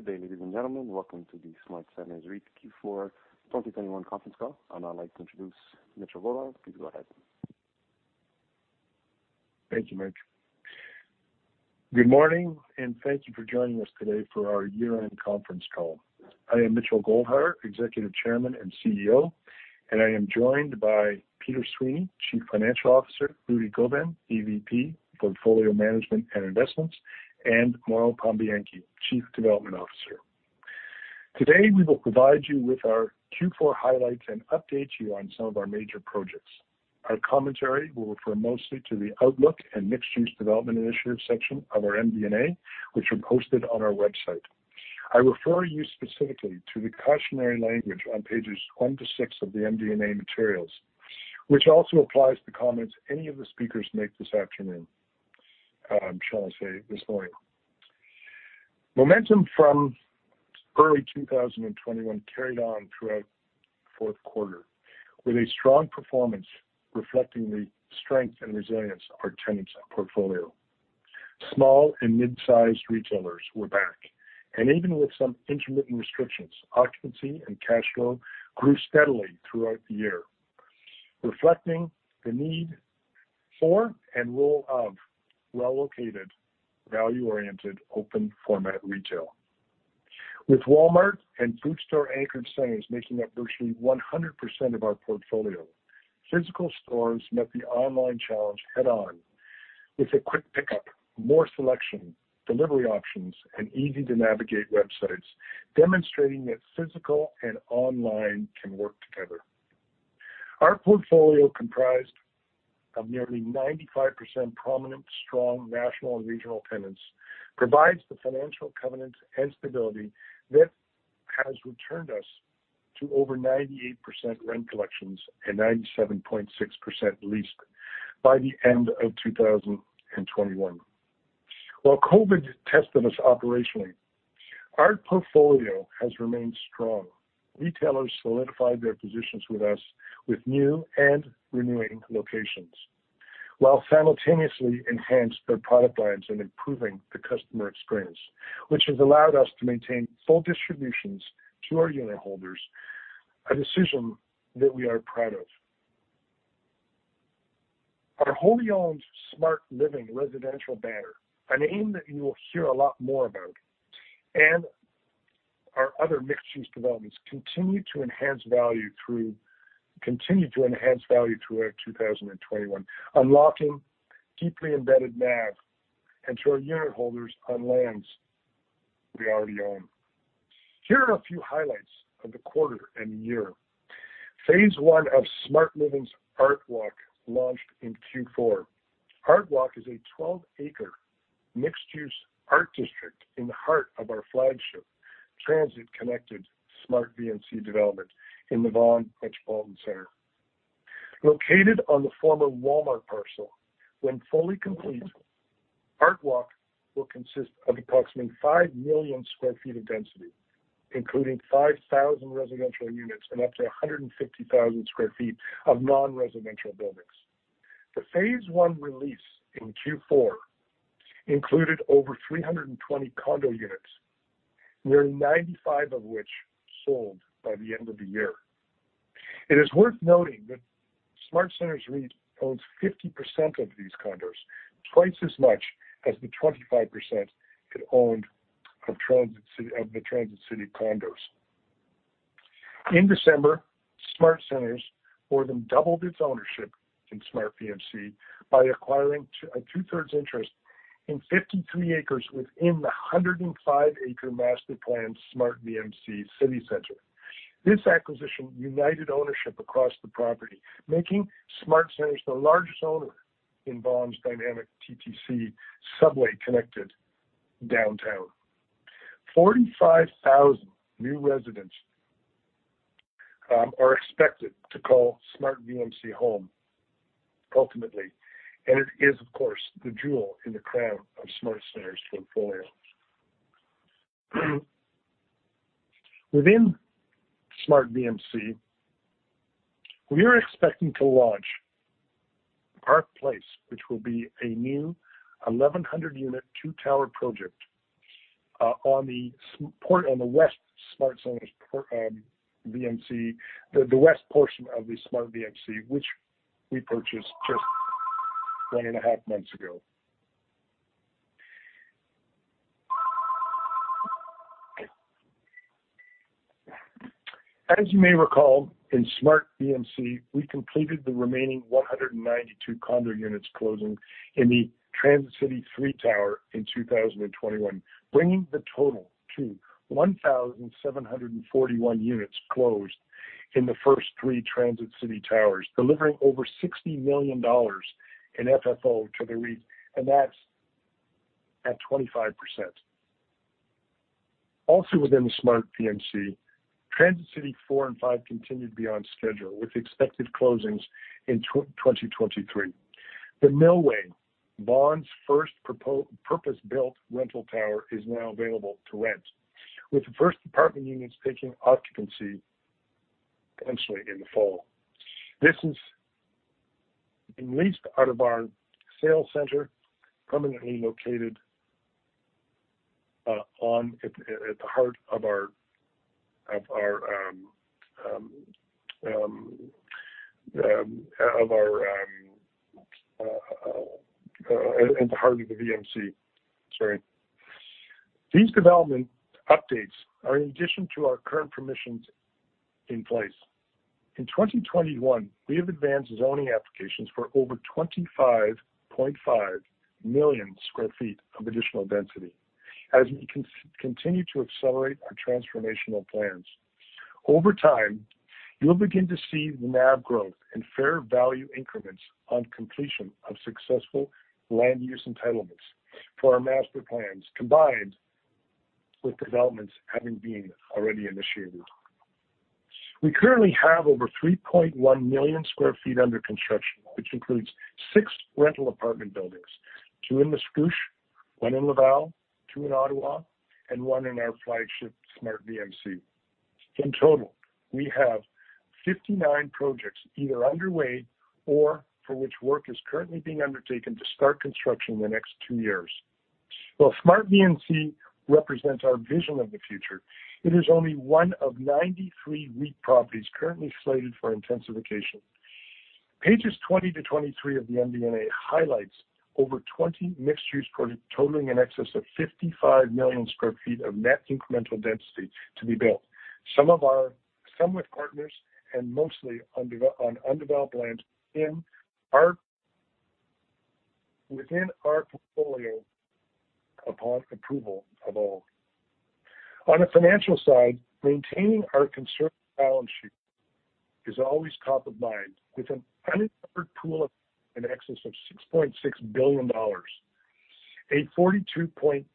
Good day, ladies and gentlemen. Welcome to the SmartCentres REIT Q4 2021 conference call. I'd like to introduce Mitchell Goldhar. Please go ahead. Thank you, Mike. Good morning, and thank you for joining us today for our year-end conference call. I am Mitchell Goldhar, Executive Chairman and CEO, and I am joined by Peter Sweeney, Chief Financial Officer, Rudy Gobin, EVP, Portfolio Management and Investments, and Mauro Pambianchi, Chief Development Officer. Today, we will provide you with our Q4 highlights and update you on some of our major projects. Our commentary will refer mostly to the Outlook and Mixed Use Development Initiative section of our MD&A, which are posted on our website. I refer you specifically to the cautionary language on pages one to six of the MD&A materials, which also applies to comments any of the speakers make this afternoon, shall I say this morning. Momentum from early 2021 carried on throughout fourth quarter, with a strong performance reflecting the strength and resilience of our tenants and portfolio. Small and mid-sized retailers were back, and even with some intermittent restrictions, occupancy and cash flow grew steadily throughout the year, reflecting the need for and role of well-located value-oriented open format retail. With Walmart and food store anchored centers making up virtually 100% of our portfolio, physical stores met the online challenge head on with a quick pickup, more selection, delivery options, and easy to navigate websites, demonstrating that physical and online can work together. Our portfolio, comprised of nearly 95% prominent, strong national and regional tenants, provides the financial covenant and stability that has returned us to over 98% rent collections and 97.6% leased by the end of 2021. While COVID tested us operationally, our portfolio has remained strong. Retailers solidified their positions with us with new and renewing locations, while simultaneously enhanced their product lines and improving the customer experience, which has allowed us to maintain full distributions to our unit holders, a decision that we are proud of. Our wholly owned SmartLiving residential banner, a name that you will hear a lot more about, and our other mixed-use developments continue to enhance value throughout 2021, unlocking deeply embedded NAV and to our unit holders on lands we already own. Here are a few highlights of the quarter and the year phase I of SmartLiving's ArtWalk launched in Q4. ArtWalk is a 12-acre mixed-use art district in the heart of our flagship transit-connected SmartVMC development in the Vaughan Metropolitan Centre. Located on the former Walmart parcel, when fully complete, ArtWalk will consist of approximately 5 million sq ft of density, including 5,000 residential units and up to 150,000 sq ft of non-residential buildings. The phase one release in Q4 included over 320 condo units, nearly 95 of which sold by the end of the year. It is worth noting that SmartCentres REIT owns 50% of these condos, twice as much as the 25% it owned of Transit City condos. In December, SmartCentres more than doubled its ownership in SmartVMC by acquiring a two-thirds interest in 53 acres within the 105-acre master planned SmartVMC city center. This acquisition united ownership across the property, making SmartCentres the largest owner in Vaughan's dynamic TTC subway-connected downtown. 45,000 new residents are expected to call SmartVMC home ultimately, and it is of course the jewel in the crown of SmartCentres portfolio. Within SmartVMC, we are expecting to launch Park Place, which will be a new 1,100-unit two-tower project on the west SmartVMC, the west portion of the SmartVMC, which we purchased just one and a half months ago. As you may recall, in SmartVMC, we completed the remaining 192 condo units closing in the Transit City 3 tower in 2021, bringing the total to 1,741 units closed in the first three Transit City towers, delivering over 60 million dollars in FFO to the REIT, and that's at 25%. Also within the SmartVMC, Transit City 4 and 5 continued to be on schedule with expected closings in 2023. The Millway, Vaughan's first purpose-built rental tower, is now available to rent, with the first apartment units taking occupancy potentially in the fall. This is being leased out of our sales center, permanently located at the heart of the VMC. Sorry. These development updates are in addition to our current permissions in place. In 2021, we have advanced zoning applications for over 25.5 million sq ft of additional density as we continue to accelerate our transformational plans. Over time, you'll begin to see NAV growth and fair value increments on completion of successful land use entitlements for our master plans, combined with developments having been already initiated. We currently have over 3.1 million sq ft under construction, which includes six rental apartment buildings, two in Mascouche, one in Laval, two in Ottawa, and one in our flagship SmartVMC. In total, we have 59 projects either underway or for which work is currently being undertaken to start construction in the next two years. While SmartVMC represents our vision of the future, it is only one of 93 REIT properties currently slated for intensification. Pages 20-23 of the MD&A highlights over 20 mixed-use projects totaling in excess of 55 million sq ft of net incremental density to be built. Some with partners and mostly on undeveloped land within our portfolio upon approval of all. On the financial side, maintaining our conservative balance sheet is always top of mind with an unencumbered pool of in excess of 6.6 billion dollars, a 42.9%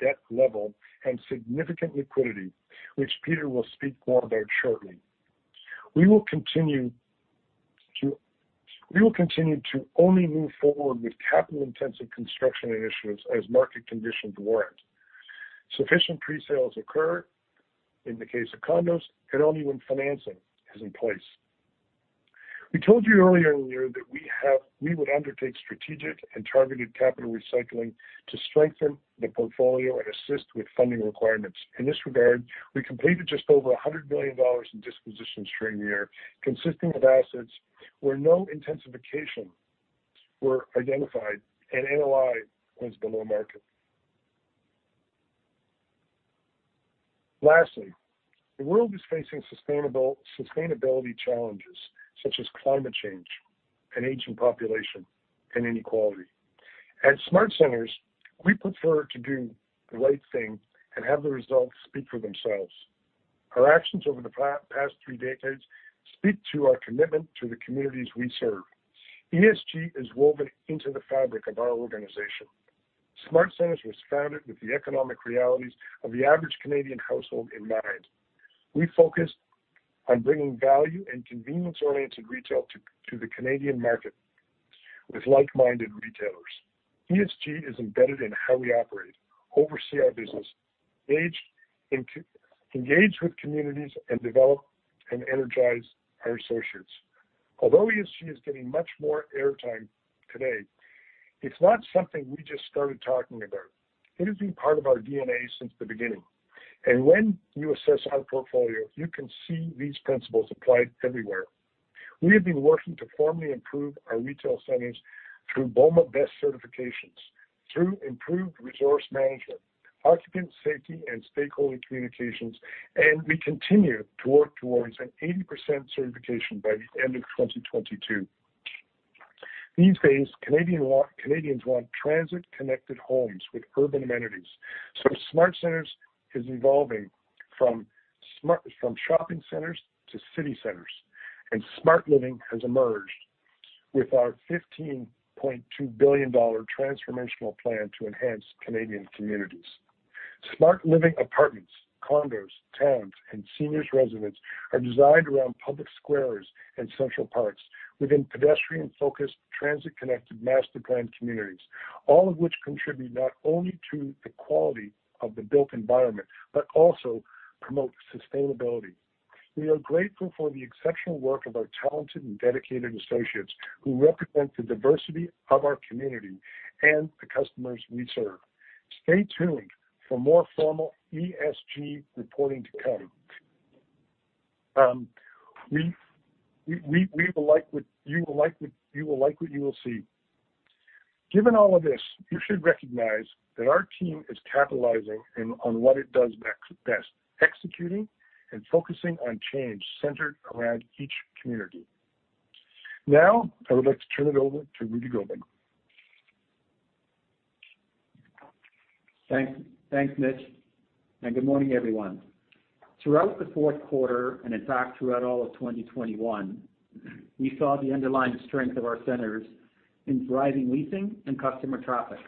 debt level and significant liquidity, which Peter will speak more about shortly. We will continue to only move forward with capital-intensive construction initiatives as market conditions warrant, sufficient presales occur in the case of condos, and only when financing is in place. We told you earlier in the year that we would undertake strategic and targeted capital recycling to strengthen the portfolio and assist with funding requirements. In this regard, we completed just over 100 million dollars in dispositions during the year, consisting of assets where no intensifications were identified and NOI was below market. Lastly, the world is facing sustainability challenges such as climate change and aging population and inequality. At SmartCentres, we prefer to do the right thing and have the results speak for themselves. Our actions over the past three decades speak to our commitment to the communities we serve. ESG is woven into the fabric of our organization. SmartCentres was founded with the economic realities of the average Canadian household in mind. We focused on bringing value and convenience-oriented retail to the Canadian market with like-minded retailers. ESG is embedded in how we operate, oversee our business, engage with communities, and develop and energize our associates. Although ESG is getting much more airtime today, it's not something we just started talking about. It has been part of our DNA since the beginning. When you assess our portfolio, you can see these principles applied everywhere. We have been working to formally improve our retail centers through BOMA BEST certifications, through improved resource management, occupant safety, and stakeholder communications, and we continue to work towards an 80% certification by the end of 2022. These days, Canadians want transit-connected homes with urban amenities. SmartCentres is evolving from shopping centers to city centers, and SmartLiving has emerged with our 15.2 billion dollar transformational plan to enhance Canadian communities. SmartLiving apartments, condos, towns, and seniors residents are designed around public squares and central parks within pedestrian-focused, transit-connected master-planned communities, all of which contribute not only to the quality of the built environment but also promote sustainability. We are grateful for the exceptional work of our talented and dedicated associates who represent the diversity of our community and the customers we serve. Stay tuned for more formal ESG reporting to come. You will like what you will see. Given all of this, you should recognize that our team is capitalizing on what it does best, executing and focusing on change centered around each community. Now, I would like to turn it over to Rudy Gobin. Thanks. Thanks, Mitch, and good morning, everyone. Throughout the fourth quarter, and in fact throughout all of 2021, we saw the underlying strength of our centers in driving leasing and customer traffic.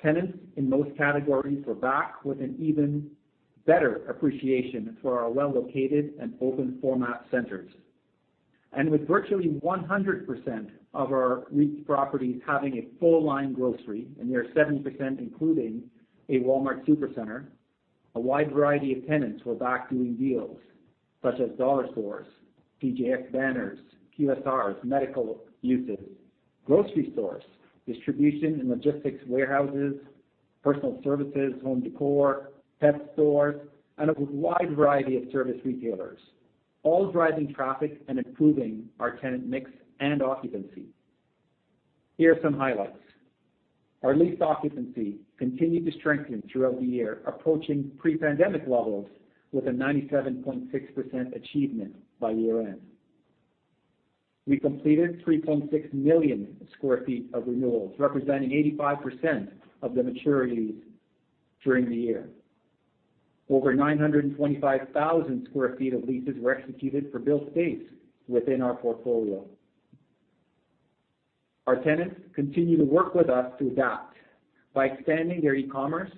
Tenants in most categories were back with an even better appreciation for our well-located and open format centers. With virtually 100% of our leased properties having a full line grocery, and near 70% including a Walmart Supercentre, a wide variety of tenants were back doing deals such as dollar stores, TJX banners, QSRs, medical uses, grocery stores, distribution and logistics warehouses, personal services, home decor, pet stores, and a wide variety of service retailers, all driving traffic and improving our tenant mix and occupancy. Here are some highlights. Our leased occupancy continued to strengthen throughout the year, approaching pre-pandemic levels with a 97.6% achievement by year-end. We completed 3.6 million sq ft of renewals, representing 85% of the maturities during the year. Over 925,000 sq ft of leases were executed for build space within our portfolio. Our tenants continue to work with us to adapt by expanding their e-commerce,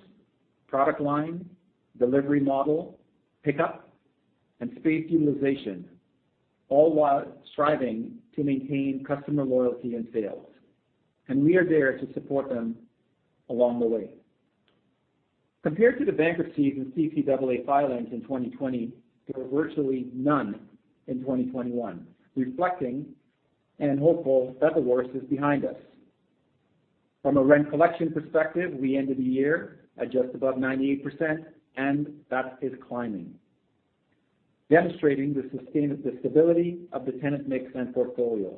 product line, delivery model, pickup, and space utilization, all while striving to maintain customer loyalty and sales, and we are there to support them along the way. Compared to the bankruptcies and CCAA filings in 2020, there were virtually none in 2021, reflecting, and hopeful that the worst is behind us. From a rent collection perspective, we ended the year at just above 98%, and that is climbing, demonstrating the stability of the tenant mix and portfolio.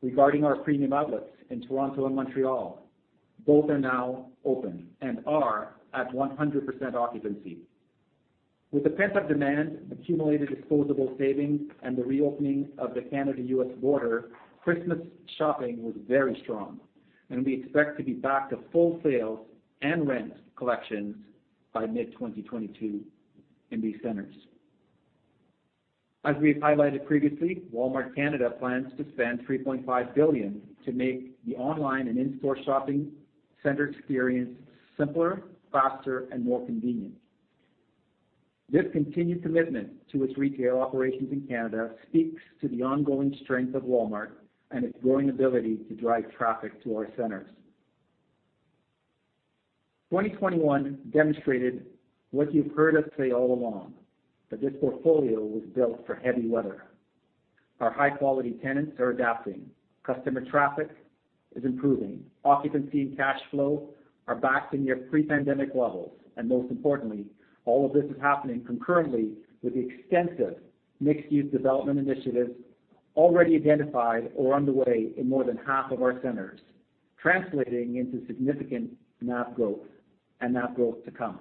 Regarding our Premium Outlets in Toronto and Montreal, both are now open and are at 100% occupancy. With the pent-up demand, accumulated disposable savings, and the reopening of the Canada, U.S. border, Christmas shopping was very strong, and we expect to be back to full sales and rent collections by mid-2022 in these centers. As we have highlighted previously, Walmart Canada plans to spend 3.5 billion to make the online and in-store shopping center experience simpler, faster, and more convenient. This continued commitment to its retail operations in Canada speaks to the ongoing strength of Walmart and its growing ability to drive traffic to our centers. 2021 demonstrated what you've heard us say all along, that this portfolio was built for heavy weather. Our high-quality tenants are adapting, customer traffic is improving, occupancy and cash flow are back to near pre-pandemic levels, and most importantly, all of this is happening concurrently with the extensive mixed-use development initiatives already identified or underway in more than half of our centers, translating into significant NAV growth and NAV growth to come.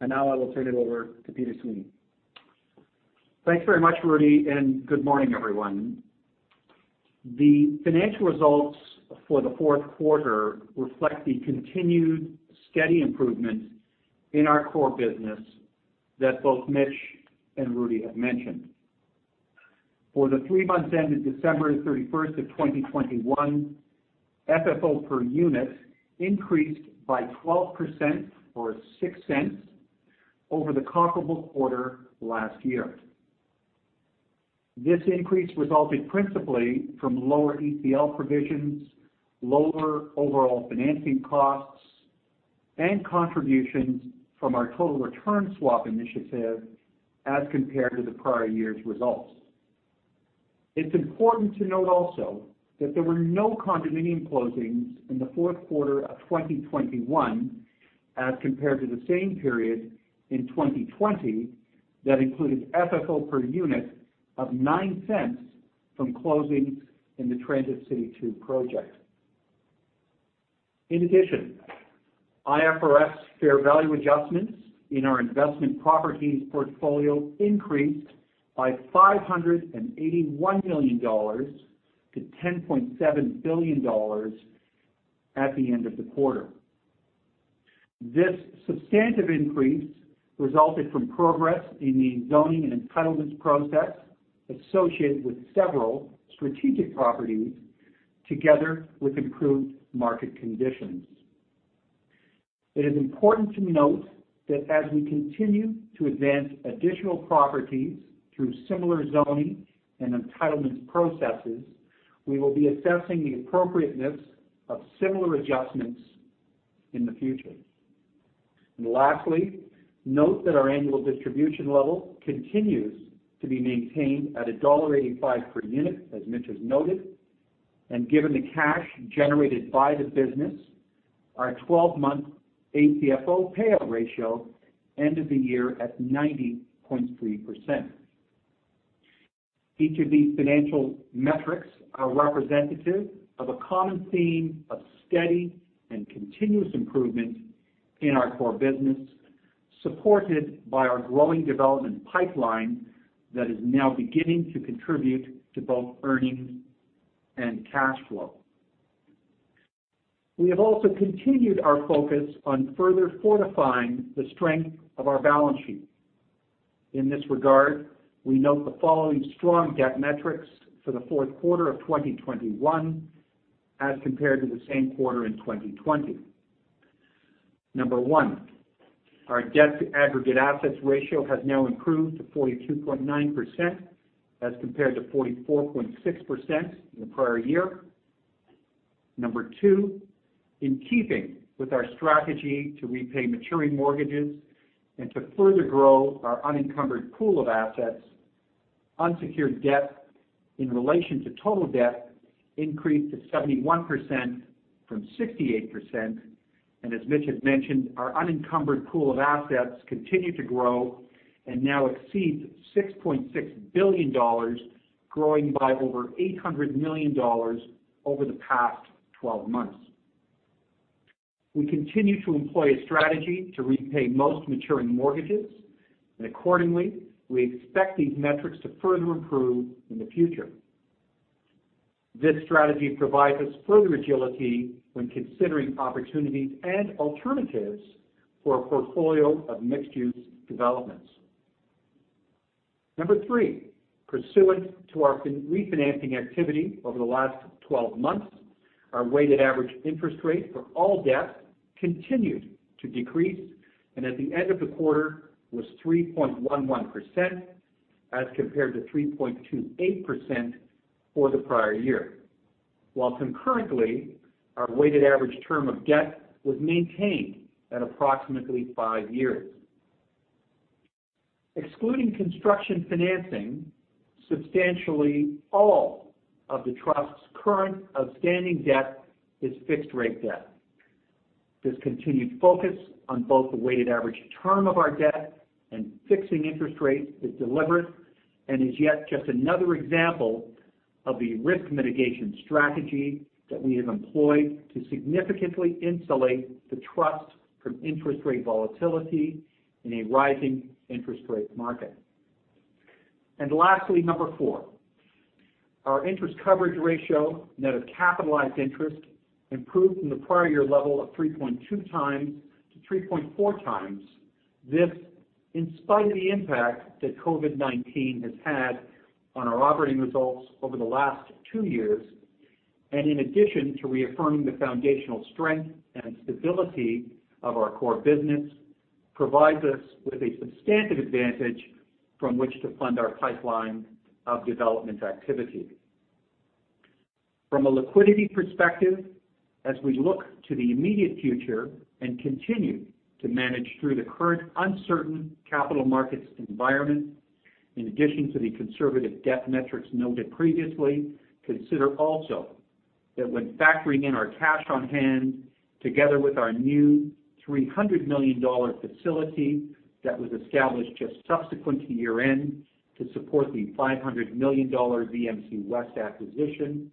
Now I will turn it over to Peter Sweeney. Thanks very much, Rudy, and good morning, everyone. The financial results for the fourth quarter reflect the continued steady improvement in our core business that both Mitch and Rudy have mentioned. For the three months ended 31 December 2021, FFO per unit increased by 12% or 0.06 over the comparable quarter last year. This increase resulted principally from lower ECL provisions, lower overall financing costs, and contributions from our total return swap initiative as compared to the prior year's results. It's important to note also that there were no condominium closings in the fourth quarter of 2021 as compared to the same period in 2020 that included FFO per unit of 0.09 from closings in the Transit City 2 project. In addition, IFRS fair value adjustments in our investment properties portfolio increased by 581 million dollars to 10.7 billion dollars at the end of the quarter. This substantive increase resulted from progress in the zoning and entitlements process associated with several strategic properties together with improved market conditions. It is important to note that as we continue to advance additional properties through similar zoning and entitlements processes, we will be assessing the appropriateness of similar adjustments in the future. Lastly, note that our annual distribution level continues to be maintained at 1.85 dollar per unit, as Mitch has noted. Given the cash generated by the business, our 12 month ACFO payout ratio ended the year at 90.3%. Each of these financial metrics are representative of a common theme of steady and continuous improvement in our core business, supported by our growing development pipeline that is now beginning to contribute to both earnings and cash flow. We have also continued our focus on further fortifying the strength of our balance sheet. In this regard, we note the following strong debt metrics for the fourth quarter of 2021 as compared to the same quarter in 2020. Number one, our debt to aggregate assets ratio has now improved to 42.9% as compared to 44.6% in the prior year. Number two, in keeping with our strategy to repay maturing mortgages and to further grow our unencumbered pool of assets, unsecured debt in relation to total debt increased to 71% from 68%. As Mitch had mentioned, our unencumbered pool of assets continues to grow and now exceeds 6.6 billion dollars, growing by over 800 million dollars over the past 12 months. We continue to employ a strategy to repay most maturing mortgages, and accordingly, we expect these metrics to further improve in the future. This strategy provides us further agility when considering opportunities and alternatives for a portfolio of mixed-use developments. Number three, pursuant to our refinancing activity over the last 12 months, our weighted average interest rate for all debt continued to decrease, and at the end of the quarter was 3.11% as compared to 3.28% for the prior year. While concurrently, our weighted average term of debt was maintained at approximately five years. Excluding construction financing, substantially all of the trust's current outstanding debt is fixed-rate debt. This continued focus on both the weighted average term of our debt and fixing interest rates is deliberate and is yet just another example of the risk mitigation strategy that we have employed to significantly insulate the trust from interest rate volatility in a rising interest rate market. Lastly, number four, our interest coverage ratio, net of capitalized interest, improved from the prior year level of 3.2 times to 3.4 times, in spite of the impact that COVID-19 has had on our operating results over the last two years. In addition to reaffirming the foundational strength and stability of our core business, this provides us with a substantive advantage from which to fund our pipeline of development activity. From a liquidity perspective, as we look to the immediate future and continue to manage through the current uncertain capital markets environment, in addition to the conservative debt metrics noted previously, consider also that when factoring in our cash on hand together with our new 300 million dollar facility that was established just subsequent to year-end to support the 500 million dollar SmartVMC West acquisition,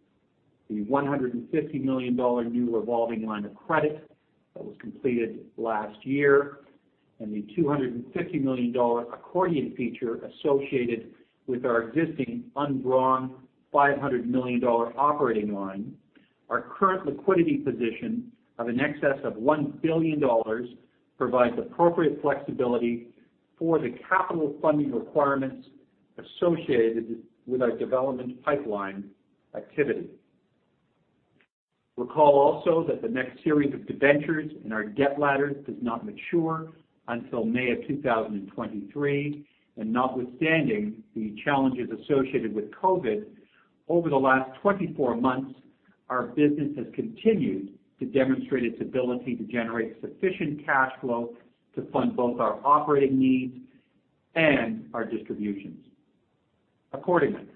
the 150 million dollar new revolving line of credit that was completed last year, and the 250 million dollar accordion feature associated with our existing undrawn 500 million dollar operating line, our current liquidity position of in excess of 1 billion dollars provides appropriate flexibility for the capital funding requirements associated with our development pipeline activity. Recall also that the next series of debentures in our debt ladder does not mature until May of 2023. Notwithstanding the challenges associated with COVID, over the last 24 months, our business has continued to demonstrate its ability to generate sufficient cash flow to fund both our operating needs and our distributions. Accordingly,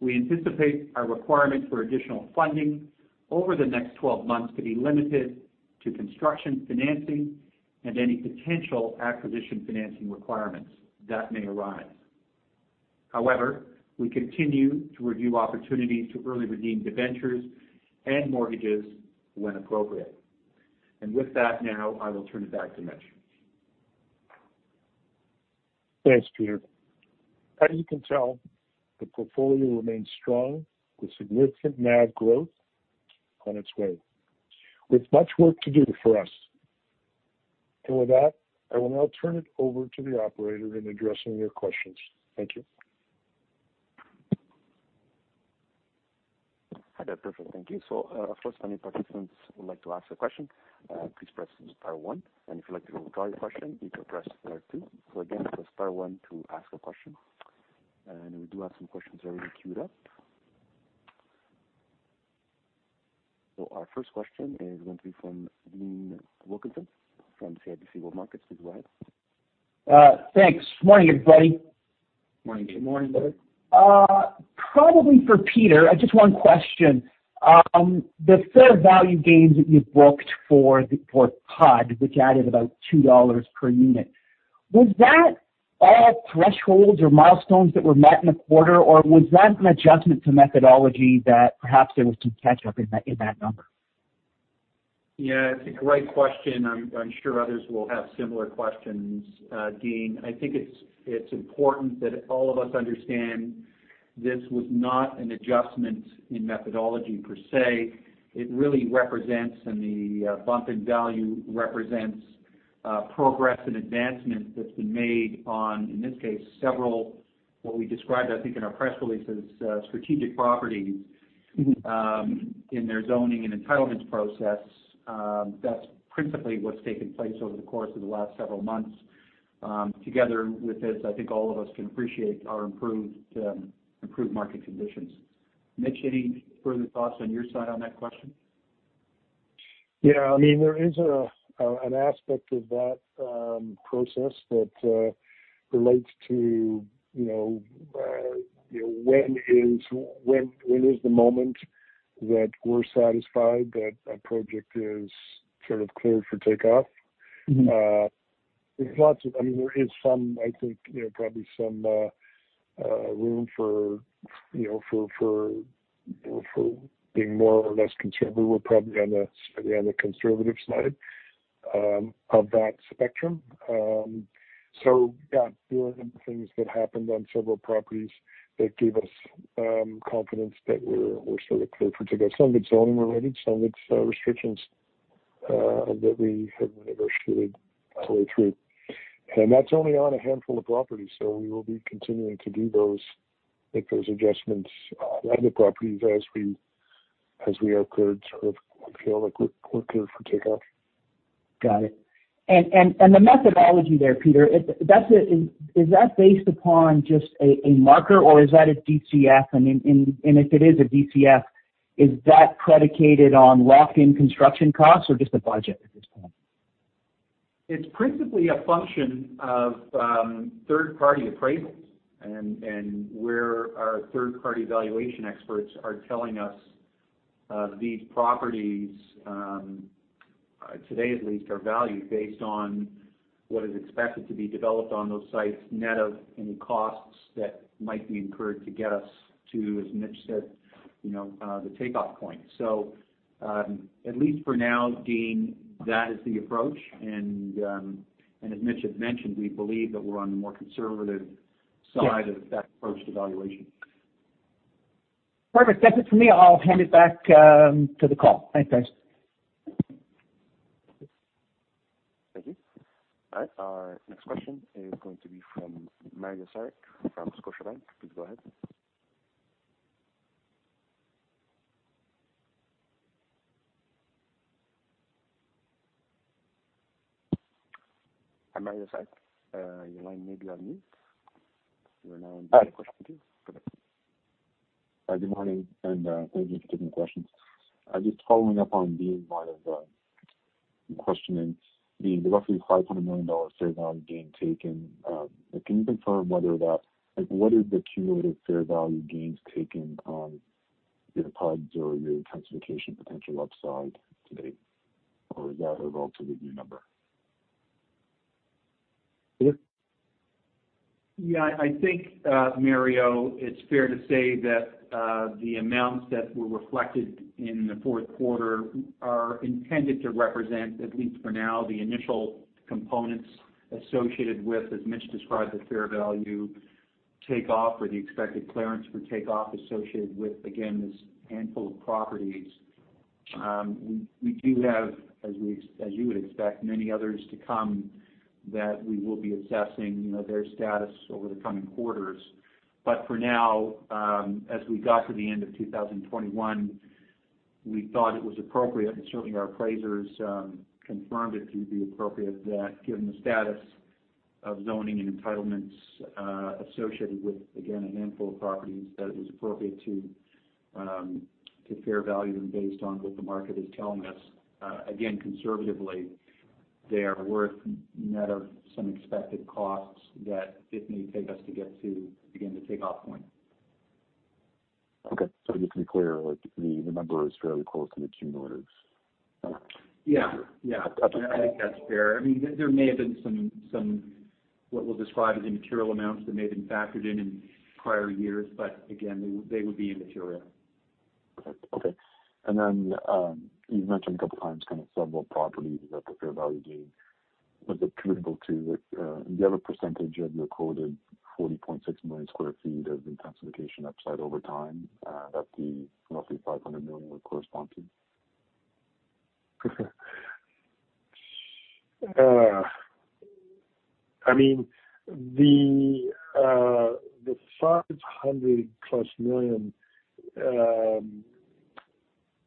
we anticipate our requirement for additional funding over the next 12 months to be limited to construction financing and any potential acquisition financing requirements that may arise. However, we continue to review opportunities to early redeem debentures and mortgages when appropriate. With that now, I will turn it back to Mitch. Thanks, Peter. As you can tell, the portfolio remains strong with significant NAV growth on its way, with much work to do for us. With that, I will now turn it over to the operator in addressing your questions. Thank you. Hi there. Perfect. Thank you. First, any participants who would like to ask a question, please press star one. If you'd like to withdraw your question, you can press star two. Again, press star one to ask a question. We do have some questions already queued up. Our first question is going to be from Dean Wilkinson from CIBC World Markets. Please go ahead. Thanks. Morning, everybody. Morning, Dean. Morning, Dean. Probably for Peter, just one question. The fair value gains that you booked for PUDs, which added about 2 dollars per unit, was that all thresholds or milestones that were met in the quarter, or was that an adjustment to methodology that perhaps there was some catch up in that number? Yeah, it's a great question. I'm sure others will have similar questions, Dean. I think it's important that all of us understand. This was not an adjustment in methodology per se. It really represents, and the bump in value represents, progress and advancement that's been made on, in this case, several, what we described, I think in our press release as, strategic properties, in their zoning and entitlements process. That's principally what's taken place over the course of the last several months. Together with this, I think all of us can appreciate our improved market conditions. Mitch, any further thoughts on your side on that question? Yeah, I mean, there is an aspect of that process that relates to, you know, when is the moment that we're satisfied that a project is sort of cleared for takeoff? Mm-hmm. I mean, there is some, I think, you know, probably some room for, you know, for being more or less conservative. We're probably on a conservative side of that spectrum. Yeah, there were things that happened on several properties that gave us confidence that we're sort of cleared for takeoff. Some of it's zoning related, some of it's restrictions that we have negotiated our way through. That's only on a handful of properties, so we will be continuing to do those, make those adjustments on other properties as we are cleared, sort of feel like we're clear for takeoff. Got it. The methodology there, Peter, is that based upon just a market, or is that a DCF? If it is a DCF, is that predicated on locked-in construction costs or just a budget at this point? It's principally a function of third-party appraisals and where our third-party valuation experts are telling us these properties today at least are valued based on what is expected to be developed on those sites, net of any costs that might be incurred to get us to, as Mitch said, you know, the takeoff point. At least for now, Dean, that is the approach. As Mitch had mentioned, we believe that we're on the more conservative- Yes. Side of that approach to valuation. Perfect. That's it for me. I'll hand it back to the call. Thanks, guys. Thank you. All right, our next question is going to be from Mario Saric from Scotiabank. Please go ahead. Hi, Mario Saric, your line may be on mute. Hi. Unmuted. Go ahead. Hi, good morning, and thank you for taking the questions. Just following up on Dean's line of questioning. Dean, the roughly 500 million dollars fair value gain taken, can you confirm like, what is the cumulative fair value gains taken on your PUDs or your intensification potential upside today, or is that a relatively new number? Yeah, I think, Mario, it's fair to say that the amounts that were reflected in the fourth quarter are intended to represent, at least for now, the initial components associated with, as Mitch described, the fair value takeoff or the expected clearance for takeoff associated with, again, this handful of properties. We do have, as you would expect, many others to come that we will be assessing, you know, their status over the coming quarters. For now, as we got to the end of 2021, we thought it was appropriate, and certainly our appraisers confirmed it to be appropriate, that given the status of zoning and entitlements associated with, again, a handful of properties, that it was appropriate to fair value them based on what the market is telling us. Again, conservatively, they are worth net of some expected costs that it may take us to get to, again, the takeoff point. Okay. Just to be clear, like the number is fairly close to the cumulative. Yeah. Yeah. Gotcha. I think that's fair. I mean, there may have been some, what we'll describe as immaterial amounts that may have been factored in prior years, but again, they would be immaterial. Okay. You've mentioned a couple times kind of several properties that the fair value gain was attributable to. Do you have a percentage of your quoted 40.6 million sq ft of intensification upside over time that the roughly 500 million would correspond to? I mean, the 500+ million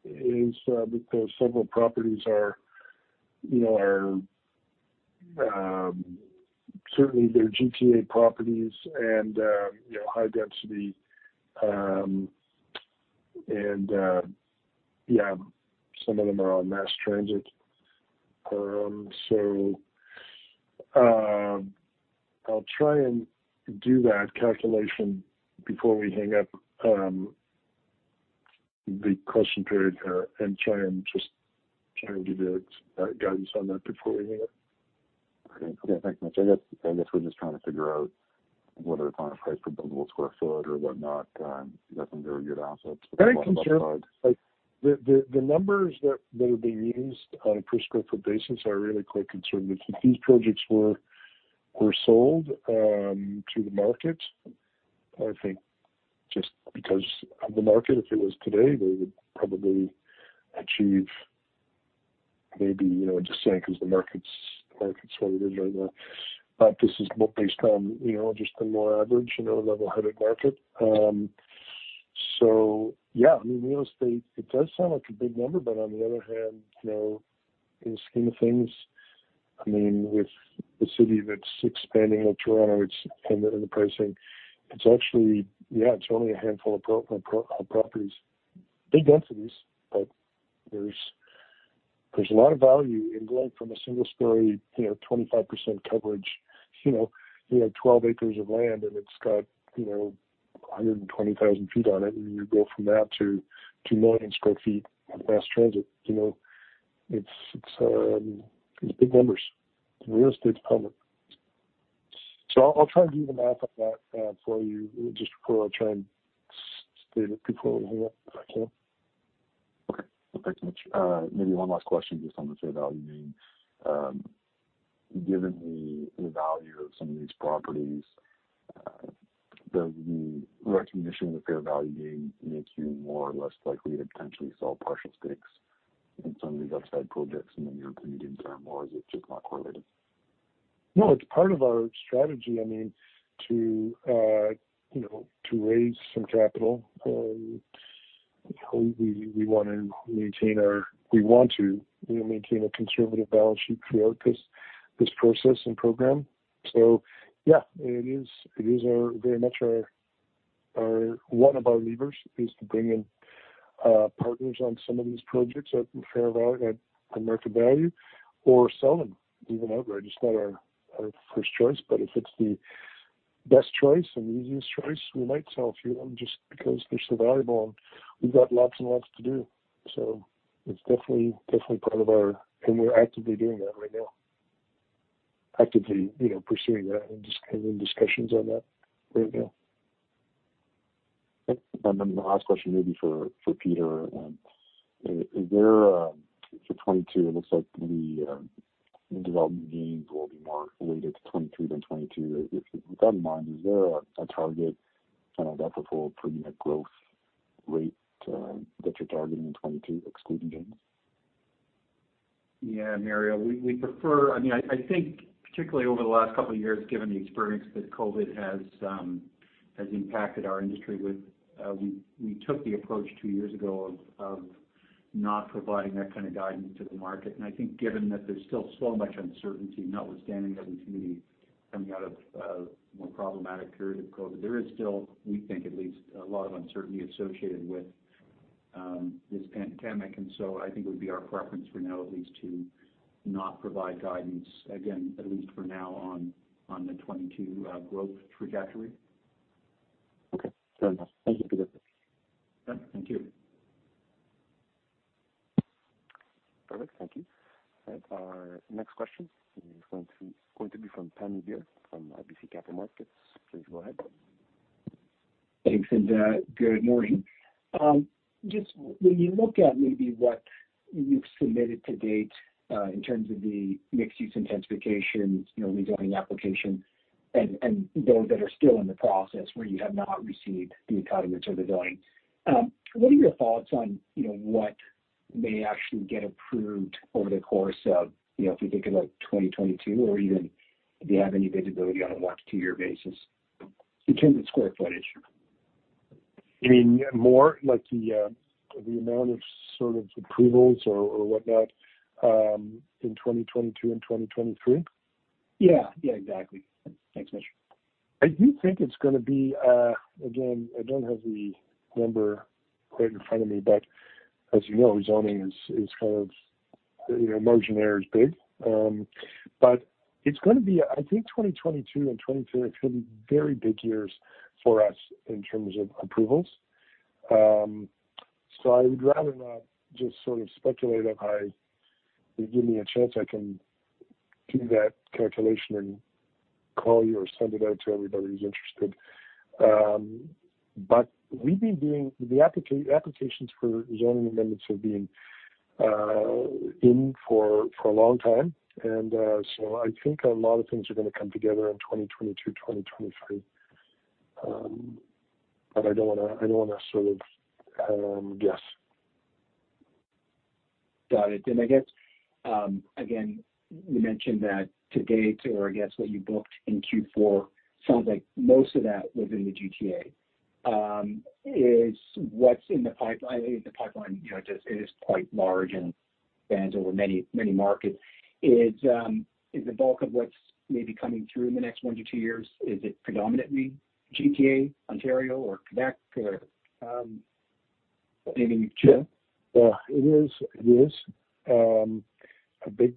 is because several properties are, you know, certainly they're GTA properties and, you know, high density. Yeah, some of them are on mass transit. I'll try and do that calculation before we hang up, the question period, and try and give you that guidance on that before we hang up. Okay. Yeah. Thanks, Mitch. I guess we're just trying to figure out whether it's on a price per buildable square foot or whatnot. You got some very good assets. Very concerned. The numbers that are being used on a per sq ft basis are really quite conservative. If these projects were sold to the market, I think just because of the market, if it was today, they would probably achieve maybe, you know, just saying because the market's what it is right now, but this is more based on, you know, just a more average, you know, level-headed market. So yeah, I mean real estate, it does sound like a big number, but on the other hand, you know, in the scheme of things, I mean, with the city that's expanding like Toronto, it's underpricing. It's actually. Yeah, it's only a handful of properties, big densities, but there's a lot of value in going from a single story, you know, 25% coverage, you know. You have 12 acres of land, and it's got, you know, 120,000 sq ft on it, and you go from that to 2 million sq ft of mass transit. You know, it's big numbers. Real estate's coming. I'll try and do the math on that for you just before I try and state it before we hang up, if I can. Okay. Well, thanks so much. Maybe one last question just on the fair value gain. Given the value of some of these properties, does the recognition of the fair value gain makes you more or less likely to potentially sell partial stakes in some of these upside projects in the near to medium term, or is it just not correlated? No, it's part of our strategy. I mean, you know, to raise some capital, you know, we want to maintain a conservative balance sheet throughout this process and program. Yeah, it is very much one of our levers to bring in partners on some of these projects at market value or sell them even outright. It's not our first choice, but if it's the best choice and easiest choice, we might sell a few of them just because they're so valuable, and we've got lots to do. It's definitely part of our. We're actively doing that right now, actively you know pursuing that and just having discussions on that right now. Then the last question may be for Peter. Is there, for 2022, it looks like the development gains will be more related to 2023 than 2022. With that in mind, is there a target kind of FFO per unit growth rate that you're targeting in 2022 excluding gains? Yeah, Mario, we prefer. I mean, I think particularly over the last couple of years, given the experience that COVID has impacted our industry with, we took the approach two years ago of not providing that kind of guidance to the market. I think given that there's still so much uncertainty, notwithstanding everything we need coming out of more problematic period of COVID, there is still, we think at least, a lot of uncertainty associated with this pandemic. I think it would be our preference for now at least to not provide guidance again, at least for now on the 2022 growth trajectory. Okay. Fair enough. Thank you, Peter. Yeah. Thank you. Perfect. Thank you. Our next question is going to be from Tanvir Singh from RBC Capital Markets. Please go ahead. Thanks, good morning. Just when you look at maybe what you've submitted to date, in terms of the mixed use intensification, you know, rezoning application and those that are still in the process where you have not received the acknowledgement of the zoning, what are your thoughts on, you know, what may actually get approved over the course of, you know, if you think about 2022 or even if you have any visibility on a one to two year basis in terms of square footage? You mean more like the amount of sort of approvals or whatnot in 2022 and 2023? Yeah. Yeah, exactly. Thanks so much. I do think it's gonna be. Again, I don't have the number right in front of me, but as you know, rezoning is kind of, you know, margin of error is big. It's gonna be, I think, 2022 and 2023 are gonna be very big years for us in terms of approvals. I would rather not just sort of speculate on how if you give me a chance, I can do that calculation and call you or send it out to everybody who's interested. The applications for zoning amendments have been in for a long time. I think a lot of things are gonna come together in 2022, 2023. I don't wanna sort of guess. Got it. I guess, again, you mentioned that to date or I guess what you booked in Q4 sounds like most of that was in the GTA. Is what's in the pipeline, you know, just quite large and spans over many, many markets. Is the bulk of what's maybe coming through in the next one to two years predominantly GTA, Ontario or Quebec? Maybe Montreal? Yeah. It is. A big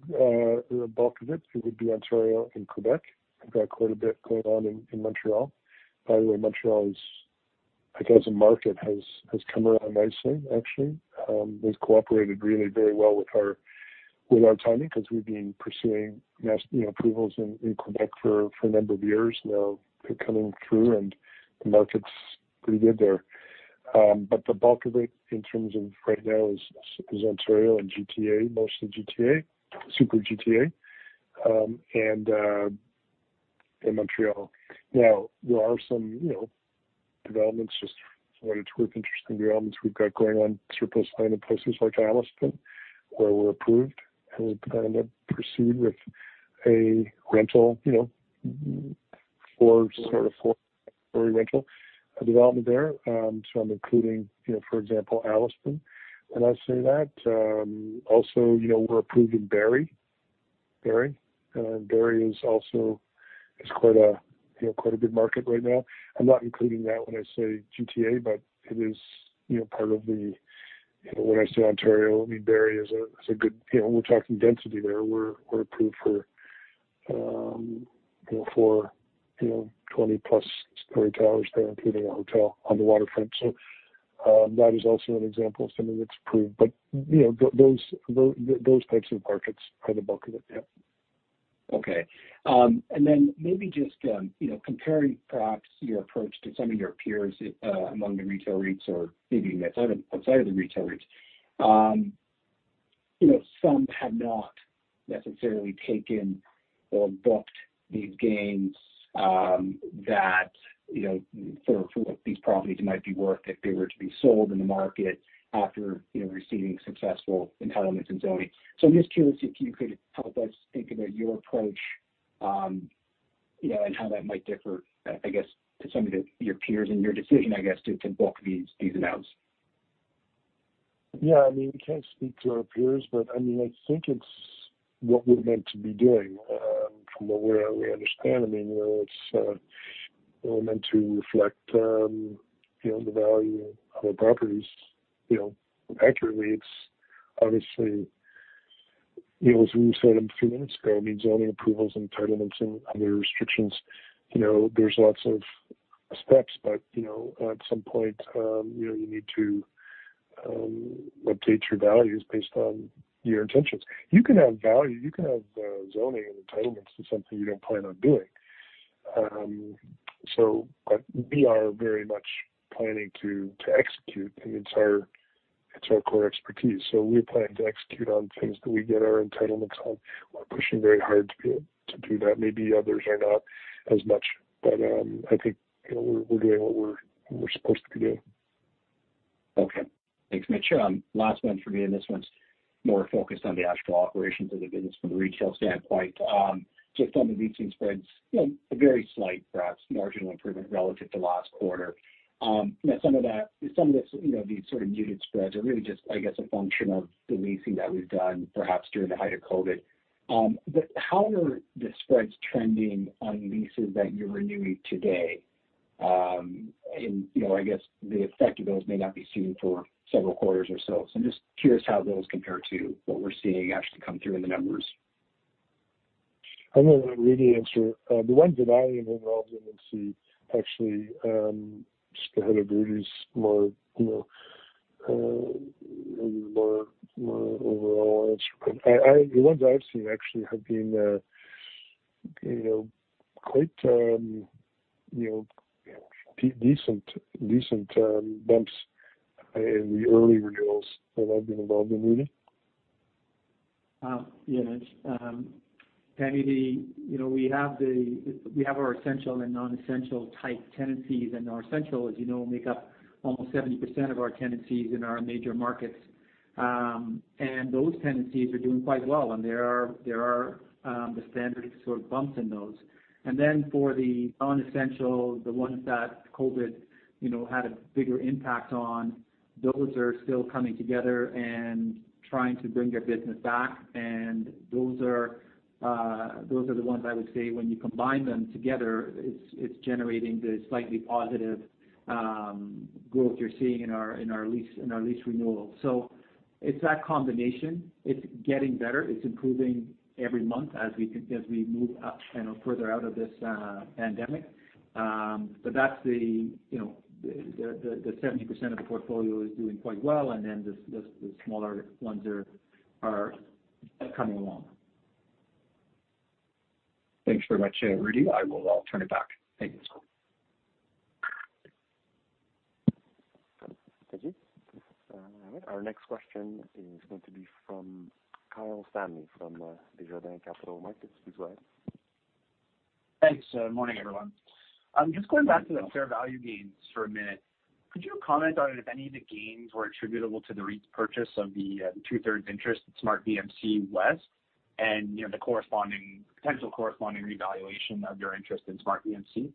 bulk of it would be Ontario and Quebec. We've got quite a bit going on in Montreal. By the way, Montreal is, I guess, a market has come around nicely actually. Has cooperated really very well with our timing, because we've been pursuing, you know, approvals in Quebec for a number of years now. They're coming through and the market's pretty good there. But the bulk of it in terms of right now is Ontario and GTA, mostly GTA, super GTA, and Montreal. Now, there are some interesting developments we've got going on in those kind of places like Alliston, where we're approved, and we're going to proceed with a rental, you know, rental development there. I'm including, you know, for example, Alliston. When I say that, also, you know, we're approved in Barrie. Barrie is also quite a big market right now. I'm not including that when I say GTA, but it is, you know, part of the, you know, when I say Ontario, I mean, Barrie is a good, you know, we're talking density there. We're approved for, you know, 20-plus story towers there, including a hotel on the waterfront. That is also an example of something that's approved. You know, those types of markets are the bulk of it, yeah. Okay. Maybe just, you know, comparing perhaps your approach to some of your peers among the retail REITs or maybe even outside of the retail REITs. You know, some have not necessarily taken or booked these gains that you know for what these properties might be worth if they were to be sold in the market after you know receiving successful entitlements and zoning. I'm just curious if you could help us think about your approach, you know, and how that might differ, I guess, to some of your peers and your decision, I guess, to book these announced. Yeah, I mean, we can't speak to our peers, but I mean, I think it's what we're meant to be doing, from what we understand. I mean, you know, it's we're meant to reflect, you know, the value of our properties, you know, accurately. It's obviously, you know, as we said a few minutes ago, I mean, zoning approvals, entitlements, and other restrictions. You know, there's lots of steps, but, you know, at some point, you need to update your values based on your intentions. You can have value, you can have zoning and entitlements to something you don't plan on doing. So but we are very much planning to execute. I mean, it's our core expertise. So we plan to execute on things that we get our entitlements on. We're pushing very hard to be able to do that. Maybe others are not as much. I think, you know, we're doing what we're supposed to be doing. Okay. Thanks, Mitch. Last one for me, and this one's more focused on the actual operations of the business from a retail standpoint. You know, a very slight, perhaps marginal improvement relative to last quarter. You know, some of that, some of this, you know, these sort of muted spreads are really just, I guess, a function of the leasing that was done perhaps during the height of COVID. But how are the spreads trending on leases that you're renewing today? And you know, I guess the effect of those may not be seen for several quarters or so. I'm just curious how those compare to what we're seeing actually come through in the numbers. I'm going to let Rudy answer. The ones that I am involved in, see, actually just ahead of Rudy's more you know maybe more overall answer. The ones I've seen actually have been you know quite you know decent bumps in the early renewals that I've been involved in, Rudy. Yeah, Mitch. I mean, you know, we have our essential and non-essential type tenancies, and our essential, as you know, make up almost 70% of our tenancies in our major markets. Those tenancies are doing quite well, and there are the standard sort of bumps in those. Then for the non-essential, the ones that COVID, you know, had a bigger impact on, those are still coming together and trying to bring their business back. Those are the ones I would say when you combine them together, it's generating the slightly positive growth you're seeing in our lease renewal. It's that combination. It's getting better. It's improving every month as we move out, you know, further out of this pandemic. That's you know the 70% of the portfolio is doing quite well, and then the smaller ones are coming along. Thanks very much, Rudy. I will turn it back. Thank you. Thank you. Our next question is going to be from Kyle Stanley from Desjardins Capital Markets. Please go ahead. Thanks. Morning, everyone. Just going back to the fair value gains for a minute. Could you comment on if any of the gains were attributable to the repurchase of the two-thirds interest in SmartVMC West and, you know, the corresponding potential revaluation of your interest in SmartVMC?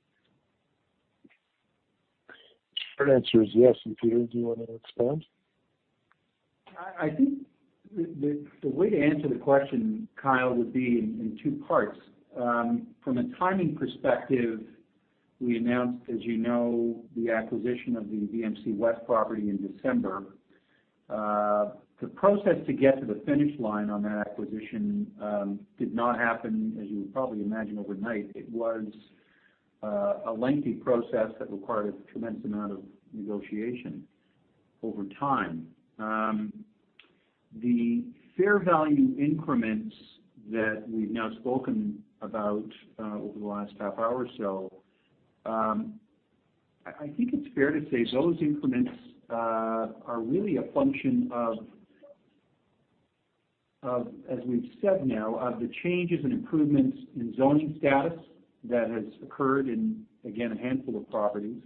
Short answer is yes. Peter, do you want to expand? I think the way to answer the question, Kyle, would be in two parts. From a timing perspective, we announced, as you know, the acquisition of the SmartVMC West property in December. The process to get to the finish line on that acquisition did not happen, as you would probably imagine, overnight. It was A lengthy process that required a tremendous amount of negotiation over time. The fair value increments that we've now spoken about over the last half hour or so, I think it's fair to say those increments are really a function of, as we've said now, of the changes in improvements in zoning status that has occurred in, again, a handful of properties,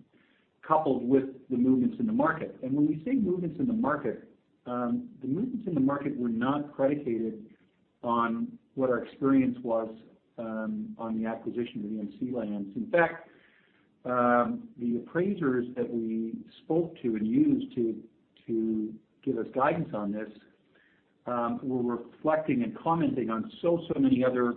coupled with the movements in the market. When we say movements in the market, the movements in the market were not predicated on what our experience was on the acquisition of the VMC lands. In fact, the appraisers that we spoke to and used to give us guidance on this were reflecting and commenting on so many other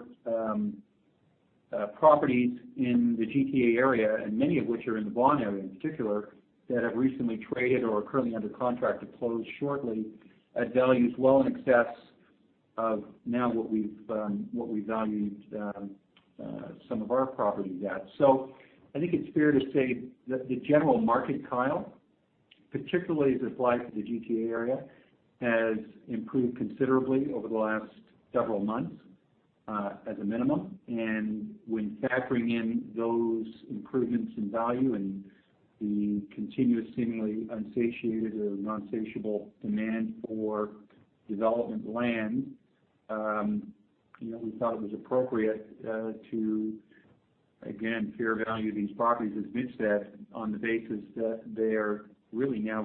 properties in the GTA area, and many of which are in the Vaughan area in particular, that have recently traded or are currently under contract to close shortly at values well in excess of now what we valued some of our properties at. I think it's fair to say that the general market, Kyle, particularly as it applies to the GTA area, has improved considerably over the last several months, as a minimum. When factoring in those improvements in value and the continuous, seemingly unsatiated or non-satiable demand for development land, you know, we thought it was appropriate to again fair value these properties, as Mitch said, on the basis that they are really now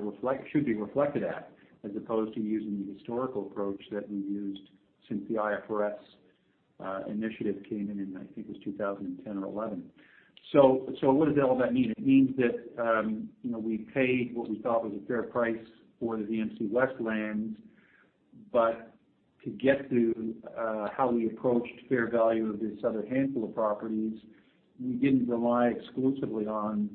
should be reflected at, as opposed to using the historical approach that we've used since the IFRS initiative came in in, I think it was 2010 or 2011. What does all that mean? It means that, you know, we paid what we thought was a fair price for the SmartVMC West lands. To get to how we approached fair value of this other handful of properties, we didn't rely exclusively on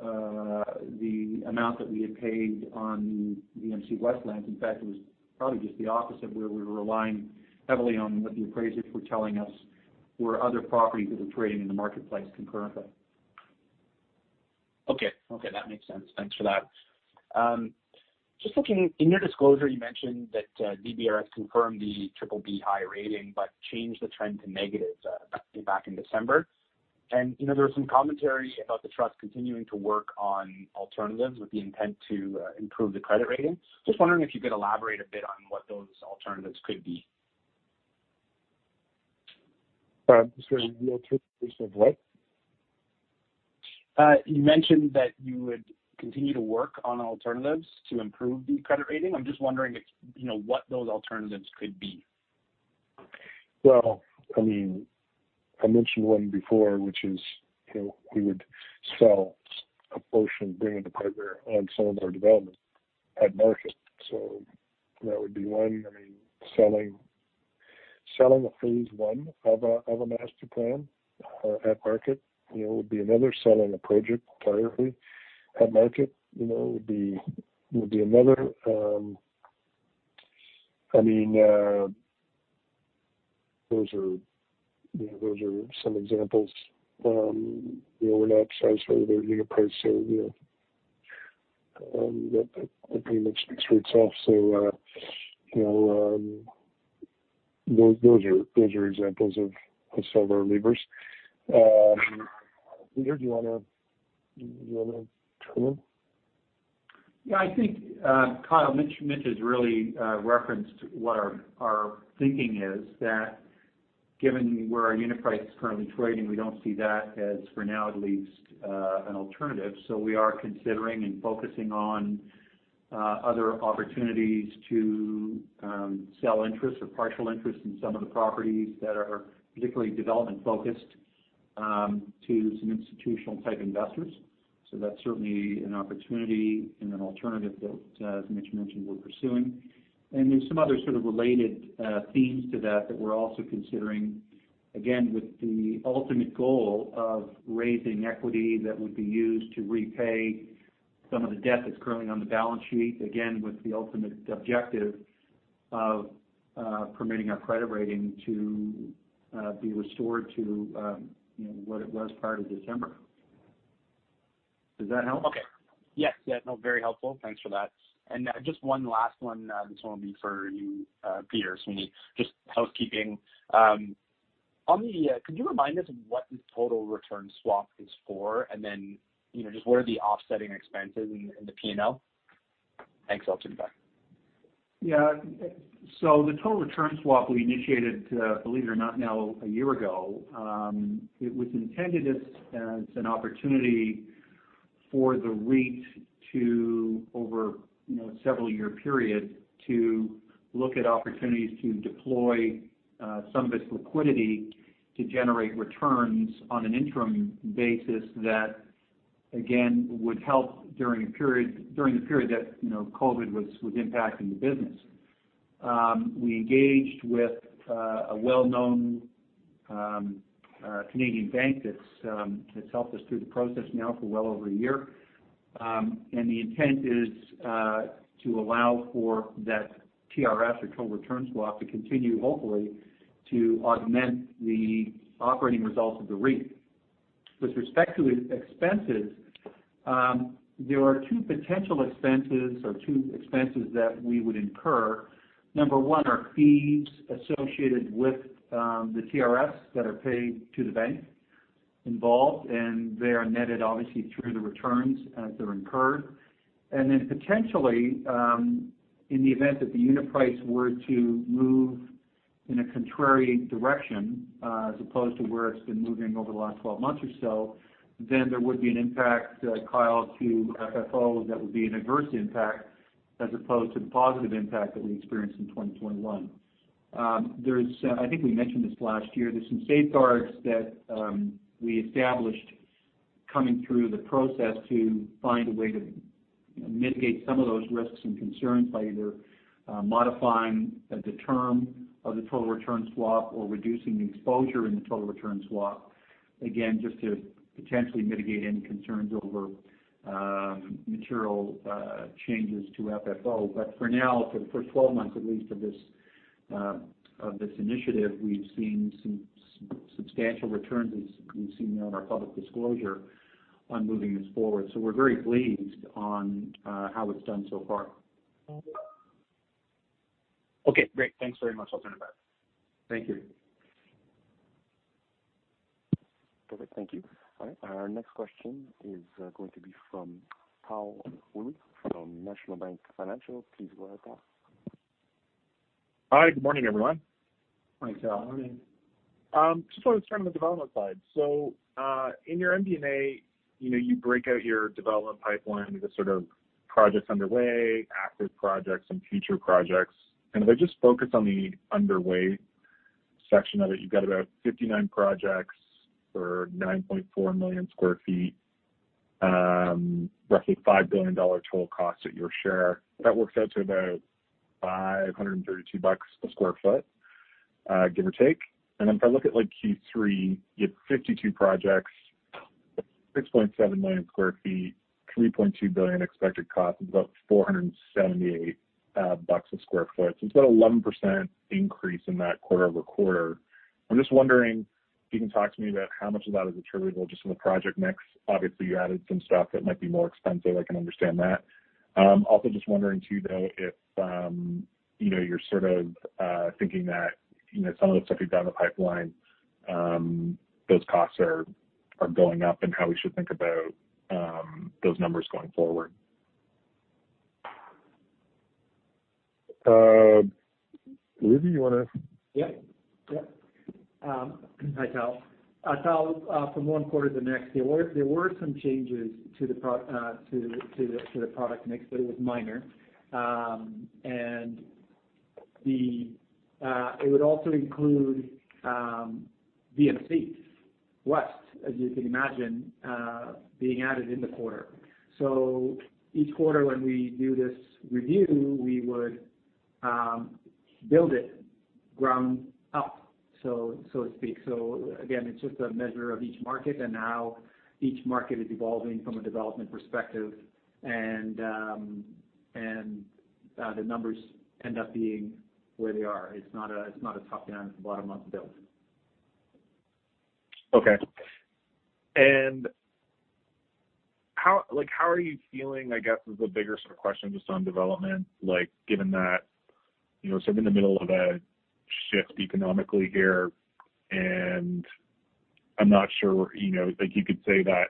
the amount that we had paid on the SmartVMC West lands. In fact, it was probably just the opposite, where we were relying heavily on what the appraisers were telling us were other properties that were trading in the marketplace concurrently. Okay. Okay, that makes sense. Thanks for that. Just looking, in your disclosure, you mentioned that DBRS has confirmed the triple B high rating, but changed the trend to negative back in December. You know, there was some commentary about the trust continuing to work on alternatives with the intent to improve the credit rating. Just wondering if you could elaborate a bit on what those alternatives could be. Sorry, repeat please, of what? You mentioned that you would continue to work on alternatives to improve the credit rating. I'm just wondering if, you know, what those alternatives could be? Well, I mean, I mentioned one before, which is, you know, we would sell a portion, bring in the partner on some of our development at market. So that would be one. I mean, selling a phase one of a master plan at market, you know, would be another. Selling a project privately at market, you know, would be another. Those are, you know, some examples. You know, we're not shy selling the unit price of, you know, the payment speaks for itself. So, you know, those are examples of some of our levers. Peter, do you wanna chime in? Yeah, I think, Kyle, Mitch has really referenced what our thinking is, that given where our unit price is currently trading, we don't see that as, for now at least, an alternative. We are considering and focusing on other opportunities to sell interests or partial interests in some of the properties that are particularly development-focused to some institutional-type investors. That's certainly an opportunity and an alternative that, as Mitch mentioned, we're pursuing. There's some other sort of related themes to that that we're also considering, again, with the ultimate goal of raising equity that would be used to repay some of the debt that's currently on the balance sheet. Again, with the ultimate objective of permitting our credit rating to be restored to, you know, what it was prior to December. Does that help? Okay. Yes. Yeah, no, very helpful. Thanks for that. Just one last one. This one will be for you, Peter Sweeney. Just housekeeping. On the total return swap, could you remind us what it is for? And then, you know, just what are the offsetting expenses in the P&L? Thanks. I'll turn it back. Yeah. The total return swap we initiated, believe it or not, now a year ago, it was intended as an opportunity for the REIT to, over a several-year period, to look at opportunities to deploy some of its liquidity to generate returns on an interim basis that, again, would help during the period that, you know, COVID was impacting the business. We engaged with a well-known Canadian bank that's helped us through the process now for well over a year. The intent is to allow for that TRS or total return swap to continue, hopefully, to augment the operating results of the REIT. With respect to expenses, there are two expenses that we would incur. Number one are fees associated with the TRS that are paid to the bank involved, and they are netted obviously through the returns as they're incurred. Then potentially, in the event that the unit price were to move in a contrary direction as opposed to where it's been moving over the last 12 months or so, then there would be an impact, Kyle, to FFO that would be an adverse impact as opposed to the positive impact that we experienced in 2021. I think we mentioned this last year. There are some safeguards that we established coming through the process to find a way to, you know, mitigate some of those risks and concerns by either modifying the term of the total return swap or reducing the exposure in the total return swap. Again, just to potentially mitigate any concerns over material changes to FFO. For now, for the first 12 months, at least of this initiative, we've seen some substantial returns, as you've seen there on our public disclosure, on moving this forward. We're very pleased on how it's done so far. Okay, great. Thanks very much. I'll turn it back. Thank you. Perfect. Thank you. All right, our next question is going to be from Tal Woolley from National Bank Financial. Please go ahead, Tal. Hi, good morning, everyone. Morning, Tal. Morning. Just wanted to start on the development side. In your MD&A, you know, you break out your development pipeline into sort of projects underway, active projects and future projects. If I just focus on the underway section of it, you've got about 59 projects for 9.4 million sq ft, roughly 5 billion dollar total cost at your share. That works out to about 532 bucks per sq ft, give or take. Then if I look at, like, Q3, you have 52 projects, 6.7 million sq ft, 3.2 billion expected cost. It's about 478 bucks per sq ft. It's about 11% increase in that quarter-over-quarter. I'm just wondering if you can talk to me about how much of that is attributable just from the project mix. Obviously, you added some stuff that might be more expensive. I can understand that. Also just wondering too, though, if you know, you're sort of thinking that, you know, some of the stuff you've done in the pipeline, those costs are going up and how we should think about those numbers going forward. Rudy Gobin, you wanna- Hi, Tal. Tal, from one quarter to the next, there were some changes to the product mix, but it was minor. It would also include SmartVMC West, as you can imagine, being added in the quarter. Each quarter when we do this review, we would build it ground up, so to speak. Again, it's just a measure of each market and how each market is evolving from a development perspective. The numbers end up being where they are. It's not a top-down, bottom-up build. Okay. How are you feeling, I guess, is the bigger sort of question just on development, like, given that, you know, sort of in the middle of a shift economically here, and I'm not sure, you know, like you could say that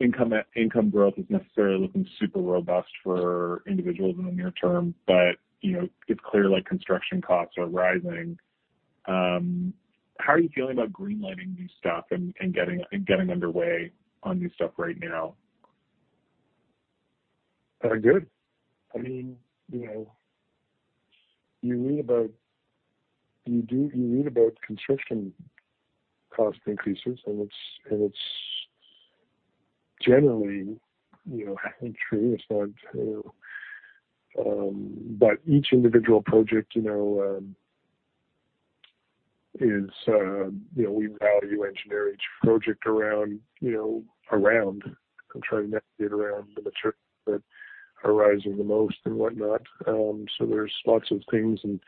income growth is necessarily looking super robust for individuals in the near term. But, you know, it's clear, like, construction costs are rising. How are you feeling about green-lighting new stuff and getting underway on new stuff right now? Good. I mean, you know, you read about construction cost increases, and it's generally, you know, true. It's not, you know, but each individual project, you know, is, you know, we value engineer each project around and try to navigate around the materials that are rising the most and whatnot. So there's lots of things and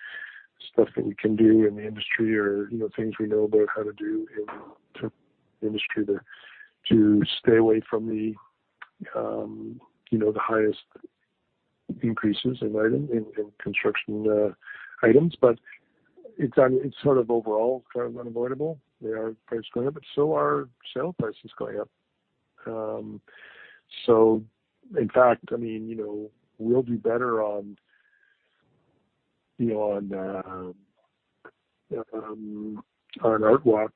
stuff that we can do in the industry or, you know, things we know about how to do in terms of industry to stay away from the, you know, the highest increases in construction items. But it's sort of overall kind of unavoidable. Their prices are going up, but so are sale prices going up. In fact, I mean, you know, we'll do better on, you know, on ArtWalk,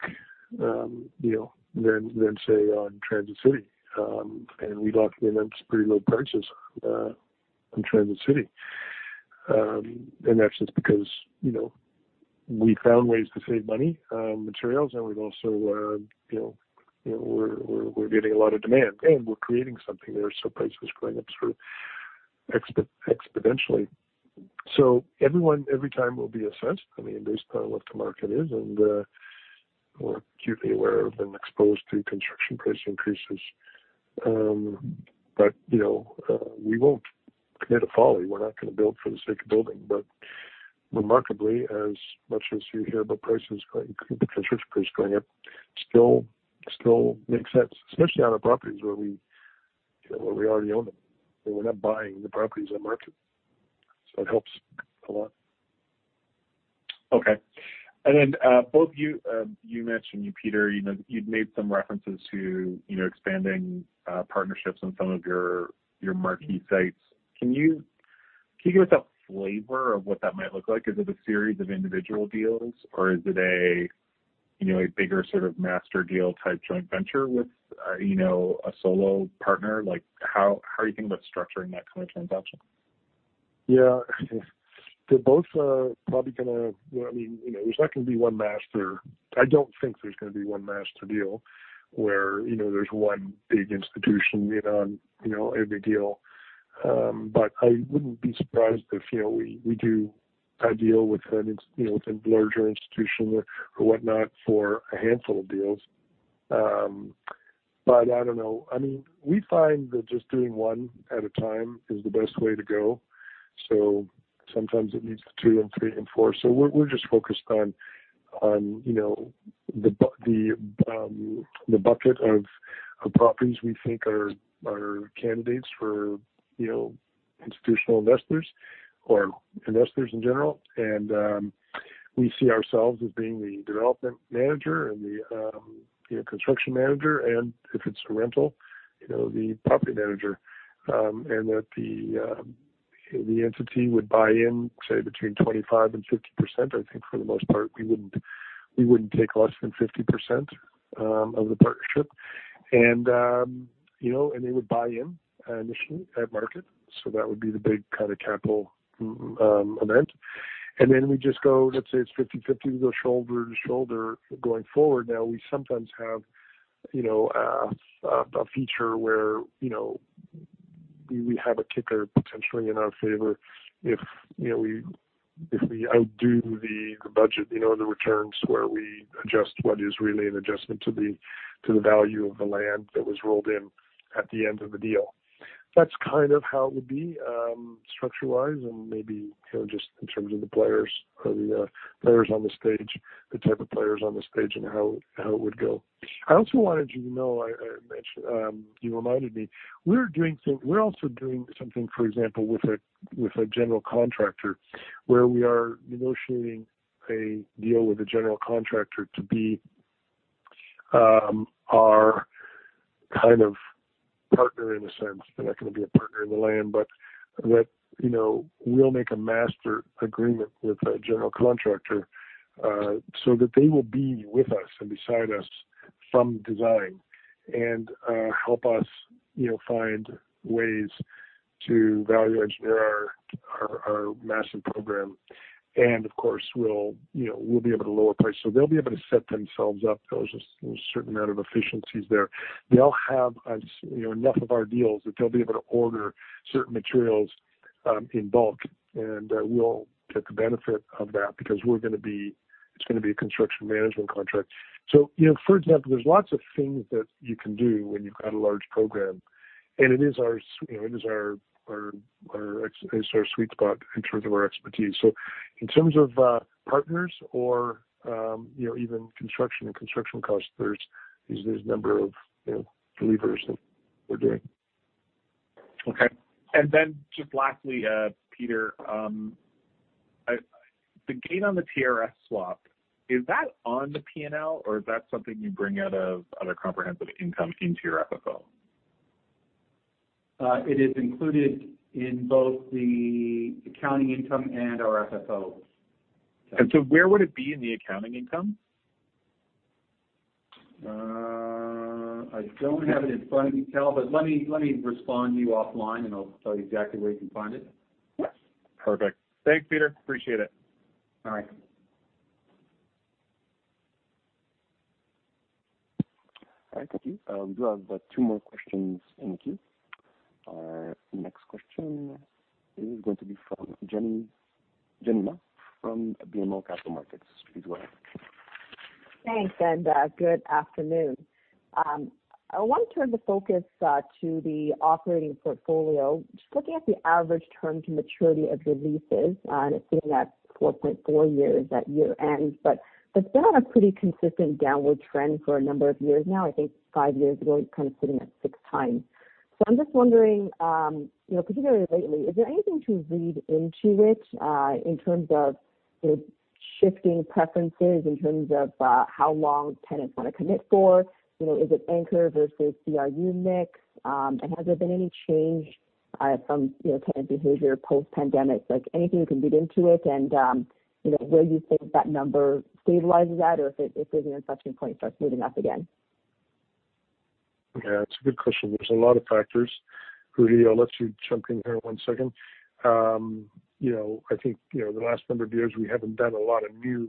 you know, than, say, on Transit City. We locked in on some pretty low prices on Transit City. That's just because, you know, we found ways to save money on materials, and we've also, you know, we're getting a lot of demand, and we're creating something there, so price was going up sort of exponentially. Every time will be assessed, I mean, based on what the market is, and we're acutely aware of and exposed to construction price increases. You know, we won't commit a folly. We're not gonna build for the sake of building. Remarkably, as much as you hear about the construction price going up, still makes sense, especially on our properties where we, you know, where we already own them. We're not buying the properties on market. It helps a lot. Okay. Both of you mentioned, you Peter, you know, you've made some references to, you know, expanding partnerships on some of your marquee sites. Can you give us a flavor of what that might look like? Is it a series of individual deals, or is it a bigger sort of master deal type joint venture with a solo partner? Like, how are you thinking about structuring that kind of transaction? Yeah. They're both probably gonna. You know, I mean, you know, I don't think there's gonna be one master deal where, you know, there's one big institution in on, you know, every deal. But I wouldn't be surprised if, you know, we do a deal with you know with a larger institution or whatnot for a handful of deals. But I don't know. I mean, we find that just doing one at a time is the best way to go, so sometimes it leads to two and three and four. We're just focused on you know the bucket of properties we think are candidates for you know institutional investors or investors in general. We see ourselves as being the development manager and the, you know, construction manager, and if it's a rental, you know, the property manager. That the entity would buy in, say, between 25% and 50%. I think for the most part, we wouldn't take less than 50% of the partnership. You know, they would buy in initially at market. That would be the big kinda capital event. Then we just go, let's say it's 50-50, we go shoulder to shoulder going forward. Now, we sometimes have you know a feature where you know we have a kicker potentially in our favor if you know if we outdo the budget you know the returns to where we adjust what is really an adjustment to the value of the land that was rolled in at the end of the deal. That's kind of how it would be structure-wise, and maybe you know just in terms of the players or players on the stage, the type of players on the stage and how it would go. I also wanted you to know you reminded me, we're also doing something, for example, with a general contractor where we are negotiating a deal with a general contractor to be our kind of partner in a sense. They're not gonna be a partner in the land, but that, you know, we'll make a master agreement with a general contractor, so that they will be with us and beside us from design and help us, you know, find ways to value engineer our massive program. Of course we'll, you know, we'll be able to lower price. They'll be able to set themselves up. There's a certain amount of efficiencies there. They all have, as you know, enough of our deals that they'll be able to order certain materials in bulk, and we'll take the benefit of that because we're gonna be. It's gonna be a construction management contract. You know, for example, there's lots of things that you can do when you've got a large program, and it is our sweet spot in terms of our expertise. In terms of partners or, you know, even construction and construction customers, there's a number of, you know, levers that we're doing. Okay. Just lastly, Peter, the gain on the TRS swap, is that on the P&L or is that something you bring out of other comprehensive income into your FFO? It is included in both the accounting income and our FFO. Where would it be in the accounting income? I don't have it in front of me, Tal, but let me respond to you offline, and I'll tell you exactly where you can find it. Perfect. Thanks, Peter. Appreciate it. All right. All right. Thank you. We do have about two more questions in the queue. Next question is going to be from Jenny Ma from BMO Capital Markets. Please go ahead. Thanks, good afternoon. I want to turn the focus to the operating portfolio. Just looking at the average term to maturity of your leases, and it's sitting at 4.4 years at year-end, but it's been on a pretty consistent downward trend for a number of years now. I think five years ago, it was kind of sitting at six times. I'm just wondering, you know, particularly lately, is there anything to read into it, in terms of the shifting preferences, in terms of, how long tenants wanna commit for? You know, is it anchor versus CRU mix? Has there been any change, from, you know, tenant behavior post-pandemic? Like anything you can read into it and, you know, where you think that number stabilizes at or if there's an inflection point starts moving up again? Yeah, it's a good question. There's a lot of factors. Rudy, I'll let you jump in here one second. You know, I think, you know, the last number of years we haven't done a lot of new,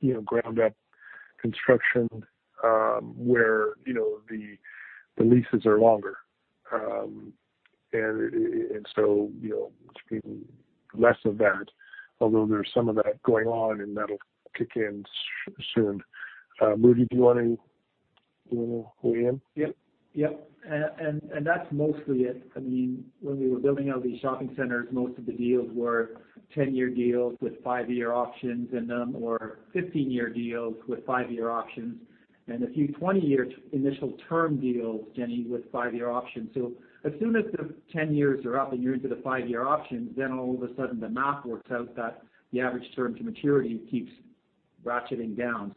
you know, ground up construction, where, you know, the leases are longer. You know, it's been less of that, although there's some of that going on, and that'll kick in soon. Rudy, do you want to weigh in? Yep. That's mostly it. I mean, when we were building out these shopping centers, most of the deals were 10 year deals with five year options, and then more 15 year deals with five year options, and a few 20 year initial term deals, Jenny, with five year options. As soon as the 10 years are up and you're into the five year options, then all of a sudden the math works out that the average term to maturity keeps ratcheting down.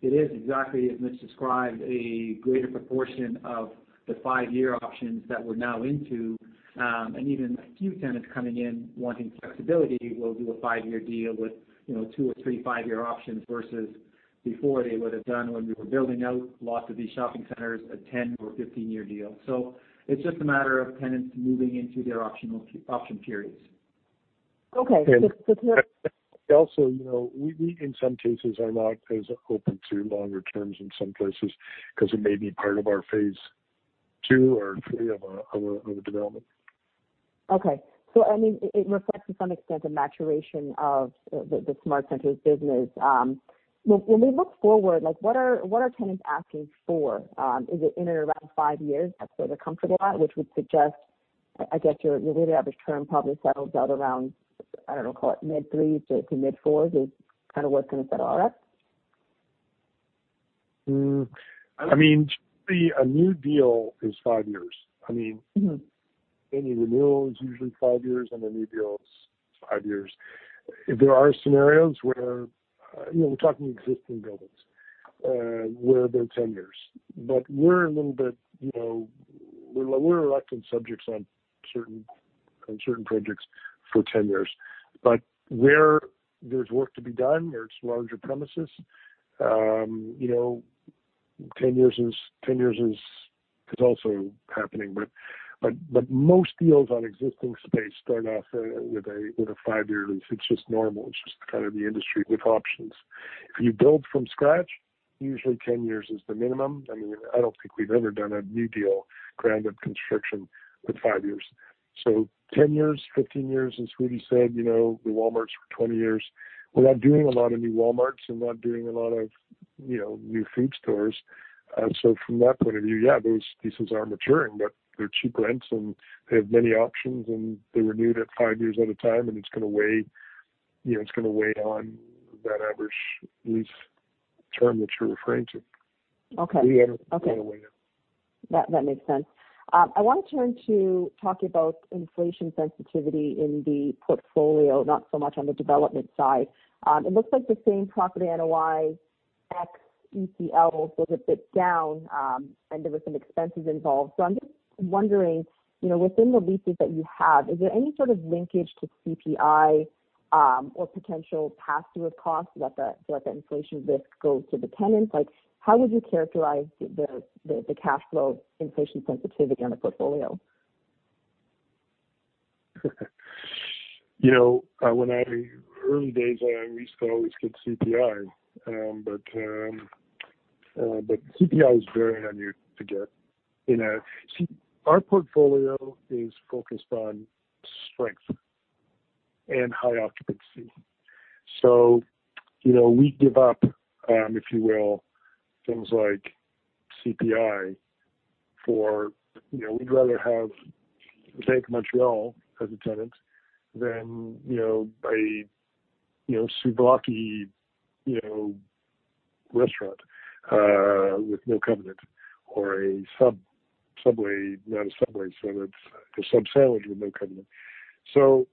It is exactly as Mitch described, a greater proportion of the five year options that we're now into. Even a few tenants coming in wanting flexibility will do a five year deal with, you know, two or three five year options versus before they would have done when we were building out lots of these shopping centers, a 10 or a 15 year deal. It's just a matter of tenants moving into their option periods. Okay. Also, you know, we in some cases are not as open to longer terms in some places because it may be part of our phase two or three of a development. Okay. I mean, it reflects to some extent the maturation of the SmartCentres business. When we look forward, like, what are tenants asking for? Is it in and around five years that's where they're comfortable at? Which would suggest, I guess, your weighted average term probably settles out around, I don't know, call it mid-threes or to mid-fours, is kind of what's going to set all that. I mean, typically, a new deal is five years. I mean, any renewal is usually five years, and a new deal is five years. There are scenarios where, you know, we're talking existing buildings, where they're 10 years. But we're a little bit, you know, we're reluctant subjects on certain, on certain projects for 10 years. But where there's work to be done, there's larger premises, you know, 10 years is also happening. But most deals on existing space start off with a five year lease. It's just normal. It's just kind of the industry with options. If you build from scratch, usually 10 years is the minimum. I mean, I don't think we've ever done a new deal ground up construction with five years. So 10 years, 15 years, as Rudy said, you know, the Walmarts for 20 years. We're not doing a lot of new Walmarts and not doing a lot of, you know, new food stores. From that point of view, yeah, those leases are maturing, but they're cheap rents, and they have many options, and they renewed at five years at a time, and it's going to weigh, you know, it's going to weigh on that average lease term that you're referring to. Okay. We are- Okay. Weighing it. That makes sense. I want to turn to talk about inflation sensitivity in the portfolio, not so much on the development side. It looks like the same-store property NOI ex ECL was a bit down, and there were some expenses involved. I'm just wondering, you know, within the leases that you have, is there any sort of linkage to CPI, or potential pass-through of costs to let the inflation risk go to the tenants? Like, how would you characterize the cash flow inflation sensitivity on the portfolio? You know, early days when I leased, I always get CPI. But CPI is very unusual to get in a See, our portfolio is focused on strength and high occupancy. So, you know, we give up, if you will, things like CPI for, you know, we'd rather have Bank of Montreal as a tenant than, you know, a souvlaki restaurant with no covenant or a Sub, Subway, not a Subway, so it's a sub sandwich with no covenant. So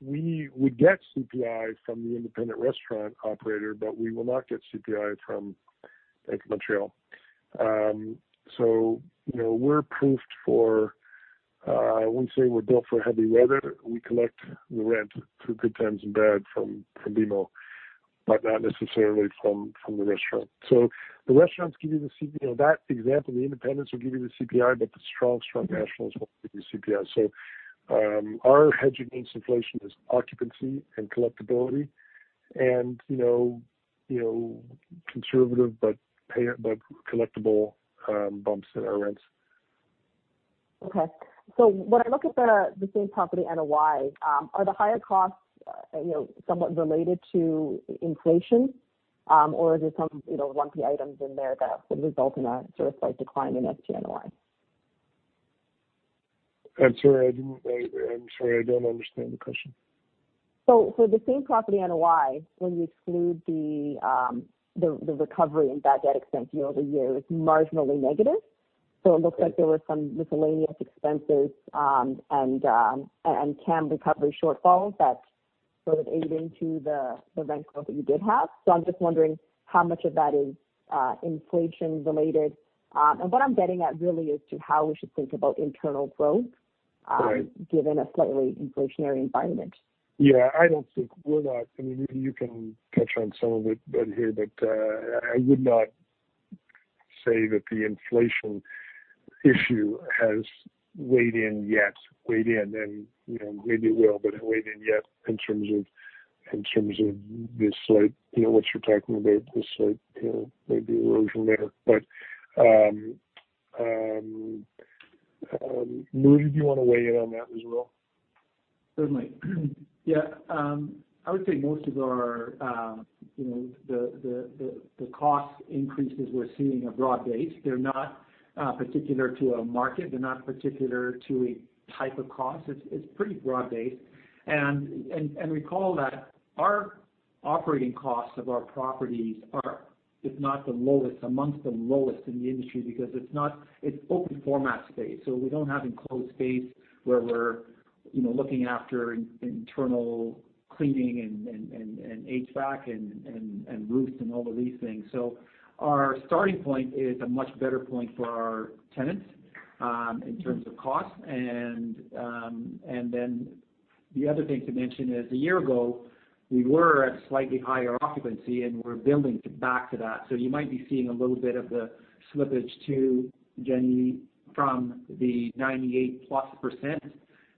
we would get CPI from the independent restaurant operator, but we will not get CPI from Bank of Montreal. So, you know, we're proofed for, I wouldn't say we're built for heavy weather. We collect the rent through good times and bad from BMO, but not necessarily from the restaurant. The restaurants give you know, that example, the independents will give you the CPI, but the strong nationals won't give you CPI. Our hedging against inflation is occupancy and collectability and, you know, conservative but collectible bumps in our rents. Okay. When I look at the same property NOI, are the higher costs, you know, somewhat related to inflation, or are there some, you know, lumpy items in there that would result in a sort of slight decline in SPNOI? I'm sorry, I don't understand the question. For the same property NOI, when we exclude the recovery in bad debt expense year-over-year, it's marginally negative. It looks like there were some miscellaneous expenses and CAM recovery shortfalls that sort of ate into the rent growth that you did have. I'm just wondering how much of that is inflation related, and what I'm getting at really is to how we should think about internal growth- Right. Given a slightly inflationary environment. Yeah. I mean, you can touch on some of it, Rudy Gobin, here, but I would not say that the inflation issue has weighed in yet. You know, maybe it will, but it hasn't weighed in yet in terms of the slight, you know, what you're talking about, the slight, you know, maybe erosion there. Rudy Gobin, do you wanna weigh in on that as well? Certainly. Yeah. I would say most of our, you know, the cost increases we're seeing are broad-based. They're not particular to a market. They're not particular to a type of cost. It's pretty broad-based. Recall that our operating costs of our properties are, if not the lowest, among the lowest in the industry because it's open format space, so we don't have enclosed space where we're, you know, looking after internal cleaning and HVAC and roofs and all of these things. So our starting point is a much better point for our tenants in terms of cost. Then the other thing to mention is a year ago, we were at slightly higher occupancy, and we're building back to that. You might be seeing a little bit of the slippage too, Jenny, from the 98%+. You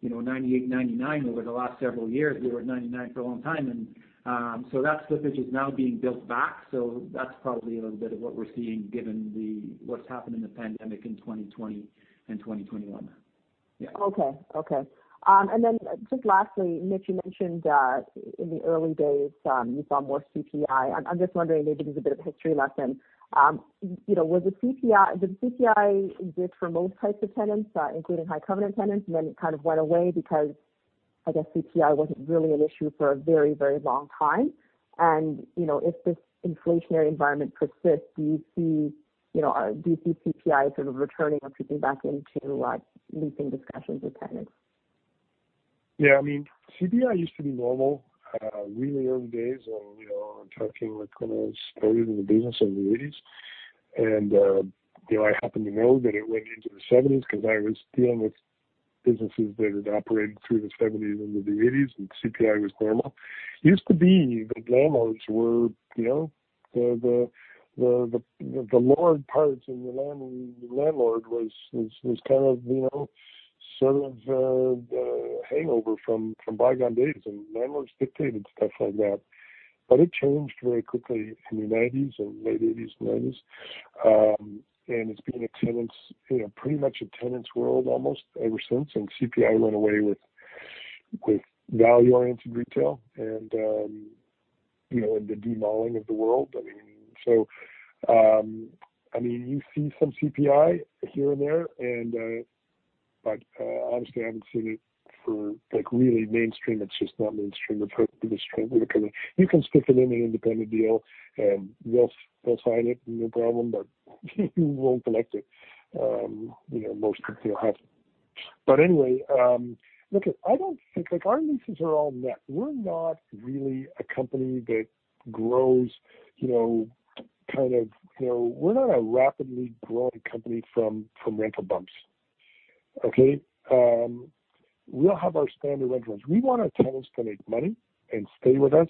know, 98, 99 over the last several years. We were at 99 for a long time. That slippage is now being built back. That's probably a little bit of what we're seeing given what's happened in the pandemic in 2020 and 2021. Yeah. Then just lastly, Mitch, you mentioned in the early days you saw more CPI. I'm just wondering, maybe give us a bit of history lesson. You know, did CPI exist for most types of tenants, including high covenant tenants, and then it kind of went away because, I guess CPI wasn't really an issue for a very, very long time. You know, if this inflationary environment persists, do you see or do you see CPI sort of returning or creeping back into leasing discussions with tenants? Yeah. I mean, CPI used to be normal, really early days. You know, I'm talking like when I started in the business in the eighties. I happen to know that it went into the seventies 'cause I was dealing with businesses that had operated through the seventies into the eighties, and CPI was normal. The landlords were, you know, the landlord was kind of, you know, sort of, hangover from bygone days, and landlords dictated stuff like that. It changed very quickly in the nineties or late eighties, nineties. It's been a tenant's, you know, pretty much a tenant's world almost ever since. CPI went away with value-oriented retail and, you know, and the de-malling of the world. I mean. I mean, you see some CPI here and there and. Honestly, I haven't seen it for, like, really mainstream. It's just not mainstream. It's hard for this trend to come in. You can stick it in an independent deal, and you'll sign it, no problem, but you won't collect it. You know, most people haven't. Anyway, look, I don't think. Like, our leases are all net. We're not really a company that grows, you know, kind of, you know, we're not a rapidly growing company from rental bumps. Okay. We'll have our standard rent runs. We want our tenants to make money and stay with us,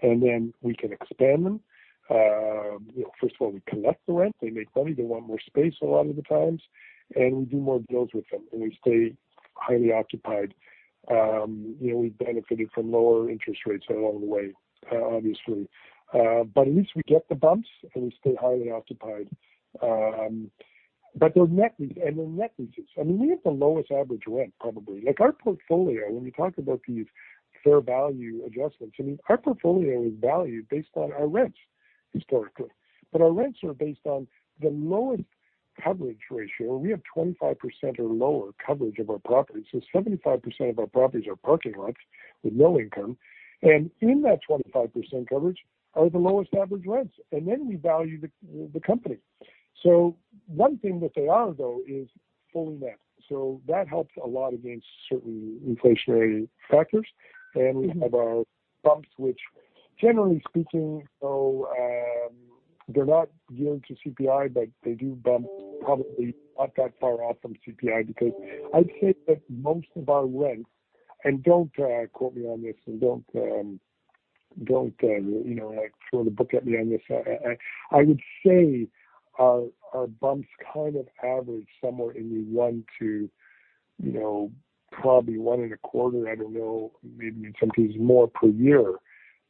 and then we can expand them. You know, first of all, we collect the rent, they make money, they want more space a lot of the times, and we do more deals with them, and we stay highly occupied. You know, we benefited from lower interest rates along the way, obviously. But at least we get the bumps, and we stay highly occupied. But they're net lease, and they're net leases. I mean, we have the lowest average rent probably. Like, our portfolio, when you talk about these fair value adjustments, I mean, our portfolio is valued based on our rents historically, but our rents are based on the lowest coverage ratio. We have 25% or lower coverage of our property. So 75% of our properties are parking lots with no income. In that 25% coverage are the lowest average rents. Then we value the company. One thing that they are, though, is fully net. That helps a lot against certain inflationary factors. We have our bumps, which generally speaking, though, they're not geared to CPI, but they do bump probably not that far off from CPI because I'd say that most of our rents. Don't quote me on this and don't you know, like, throw the book at me on this. I would say our bumps kind of average somewhere in the 1% to, you know, probably 1.25%, I don't know, maybe in some cases more per year,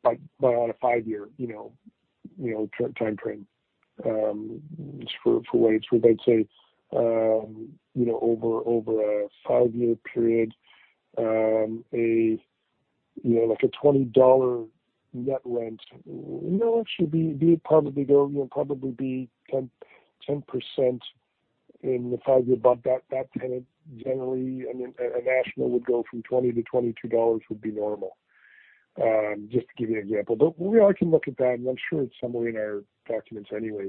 but on a five year timeframe, for what it's worth. I'd say, you know, over a five year period, you know, like a 20 dollar net rent, you know, it should probably be 10% in the five year bump. That tenant generally, I mean, a national would go from 20 to 22 dollars would be normal, just to give you an example. We all can look at that, and I'm sure it's somewhere in our documents anyway.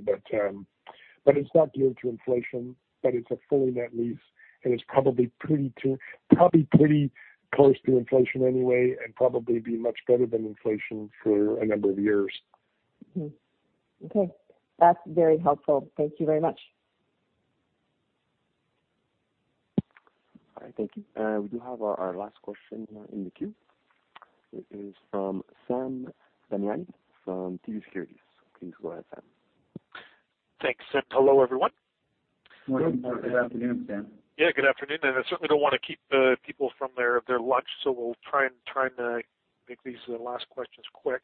It's not geared to inflation, but it's a fully net lease, and it's probably pretty close to inflation anyway and probably be much better than inflation for a number of years. Mm-hmm. Okay. That's very helpful. Thank you very much. All right. Thank you. We do have our last question in the queue. It is from Sam Damiani from TD Securities. Please go ahead, Sam. Thanks. Hello, everyone. Good morning. Good afternoon, Sam. Yeah, good afternoon. I certainly don't wanna keep people from their lunch, so we'll try and make these last questions quick.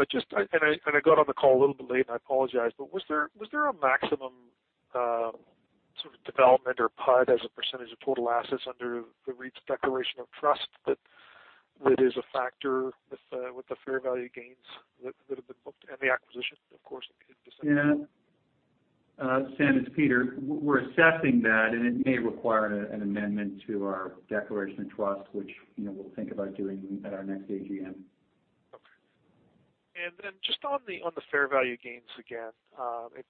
I got on the call a little bit late, and I apologize, but was there a maximum sort of development or PUD as a percentage of total assets under the REIT's declaration of trust that is a factor with the fair value gains that have been booked and the acquisition, of course, in December? Yeah. Sam, it's Peter. We're assessing that, and it may require an amendment to our declaration of trust, which, you know, we'll think about doing at our next AGM. Okay. Then just on the fair value gains again.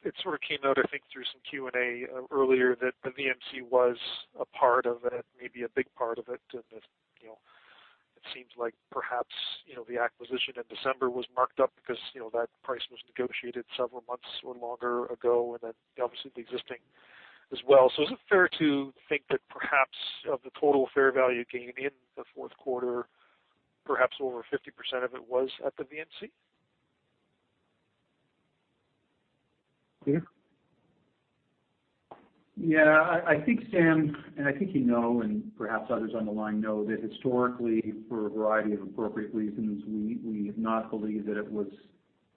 It sort of came out, I think, through some Q&A earlier that the VMC was a part of it, maybe a big part of it. That, you know, it seems like perhaps, you know, the acquisition in December was marked up because, you know, that price was negotiated several months or longer ago, and then obviously the existing as well. Is it fair to think that perhaps of the total fair value gain in the fourth quarter, perhaps over 50% of it was at the VMC? Peter. Yeah. I think, Sam, and I think you know, and perhaps others on the line know that historically, for a variety of appropriate reasons, we have not believed that it was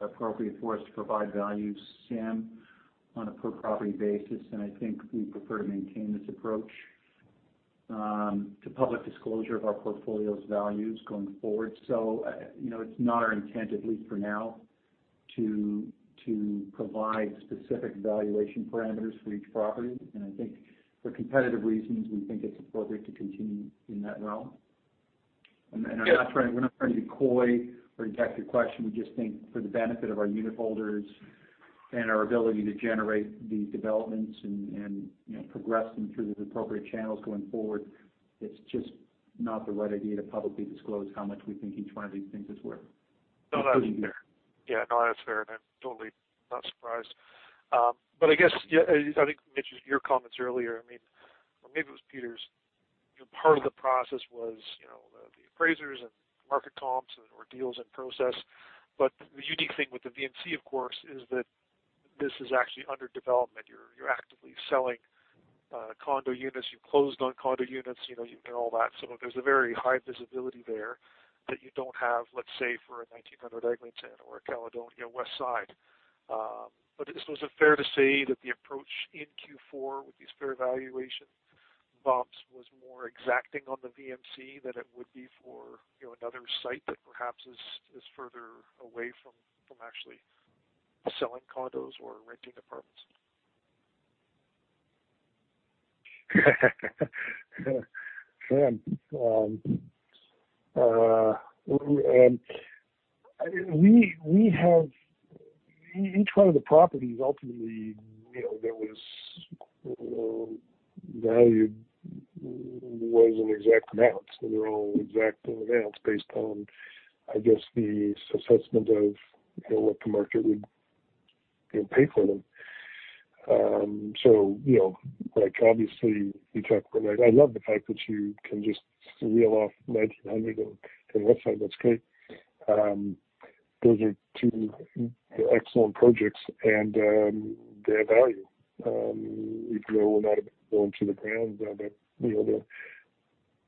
appropriate for us to provide value, Sam, on a per property basis. I think we prefer to maintain this approach to public disclosure of our portfolio's values going forward. You know, it's not our intent, at least for now, to provide specific valuation parameters for each property. I think for competitive reasons, we think it's appropriate to continue in that realm. I'm not trying- Yeah. We're not trying to be coy or detect your question. We just think for the benefit of our unitholders and our ability to generate the developments and, you know, progress them through the appropriate channels going forward, it's just not the right idea to publicly disclose how much we think each one of these things is worth. No, that's fair. Including the- Yeah. No, that's fair. I'm totally not surprised. I guess, yeah, I think, Mitch, your comments earlier, I mean, or maybe it was Peter's. You know, part of the process was, you know, the appraisers and market comps and/or deals in process. The unique thing with the VMC, of course, is that this is actually under development. You're actively selling condo units. You've closed on condo units. You know, you've done all that. There's a very high visibility there that you don't have, let's say, for a 1900 Eglinton or a Westside Mall. Is it fair to say that the approach in Q4 with these fair valuation bumps was more exacting on the VMC than it would be for, you know, another site that perhaps is further away from actually selling condos or renting apartments? Sam, we have each one of the properties ultimately, you know, that was valued was an exact amount. So they're all exact amounts based on, I guess, the assessment of, you know, what the market would, you know, pay for them. So, you know, like obviously, you talk about. I love the fact that you can just reel off 1900 Eglinton or Westside Mall. That's great. Those are two excellent projects, and they have value. Even though we're not going to the ground, but, you know,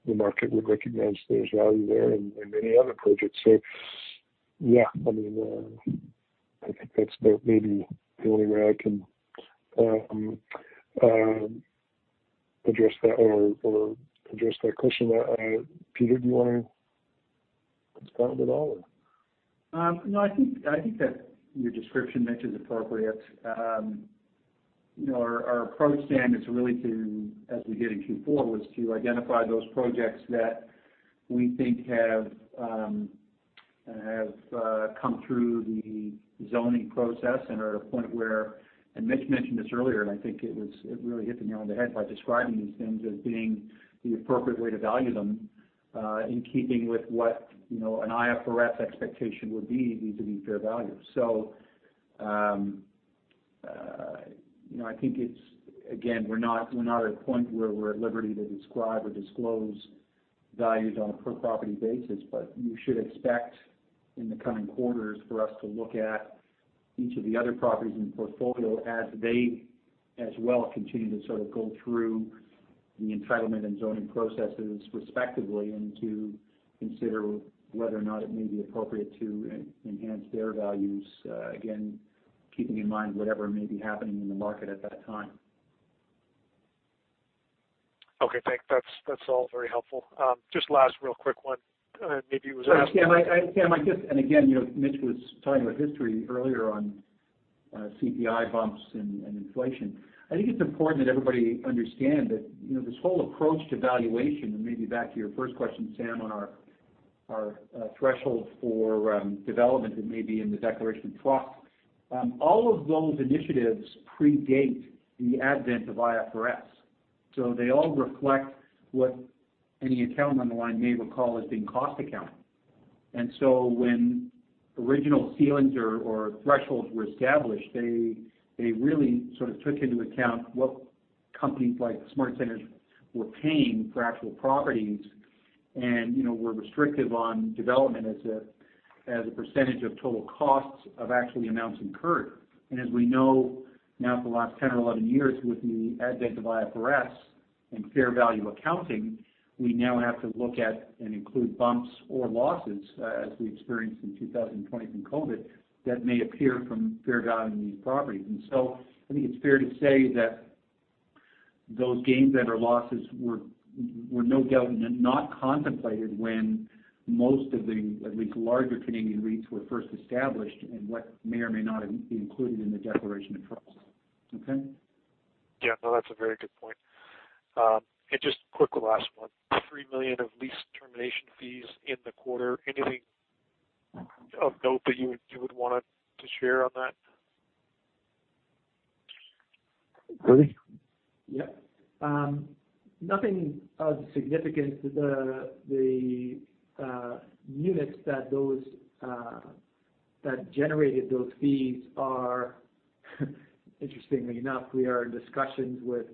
the market would recognize there's value there and many other projects. So, yeah, I mean, I think that's about maybe the only way I can address that or address that question. Peter, do you want to respond at all or? No, I think that your description, Mitch, is appropriate. You know, our approach, Sam, is really to, as we did in Q4, was to identify those projects that we think have come through the zoning process and are at a point where Mitch mentioned this earlier, and I think it really hit the nail on the head by describing these things as being the appropriate way to value them, in keeping with what, you know, an IFRS expectation would be. These are fair values. You know, I think it's. Again, we're not at a point where we're at liberty to describe or disclose values on a per property basis. You should expect in the coming quarters for us to look at each of the other properties in the portfolio as they as well continue to sort of go through the entitlement and zoning processes respectively, and to consider whether or not it may be appropriate to enhance their values. Again, keeping in mind whatever may be happening in the market at that time. Okay, thanks. That's all very helpful. Just last real quick one. Maybe it was. Sam, you know, Mitch was talking about history earlier on, CPI bumps and inflation. I think it's important that everybody understand that you know, this whole approach to valuation, and maybe back to your first question, Sam, on our threshold for development and maybe in the declaration of trust. All of those initiatives predate the advent of IFRS, so they all reflect what any accountant on the line may recall as being cost accounting. When original ceilings or thresholds were established, they really sort of took into account what companies like SmartCentres were paying for actual properties and you know, were restrictive on development as a percentage of total costs of actual amounts incurred. As we know now for the last 10 or 11 years, with the advent of IFRS and fair value accounting, we now have to look at and include gains or losses, as we experienced in 2020 from COVID-19, that may appear from fair value in these properties. I think it's fair to say that those gains that are losses were no doubt not contemplated when most of the, at least larger Canadian REITs were first established and what may or may not have been included in the declaration of trust. Okay? Yeah, no, that's a very good point. Just quick last one. 3 million of lease termination fees in the quarter. Anything of note that you would wanna to share on that? Rudy? Yeah. Nothing of significance. The units, those that generated those fees are interestingly enough, we are in discussions with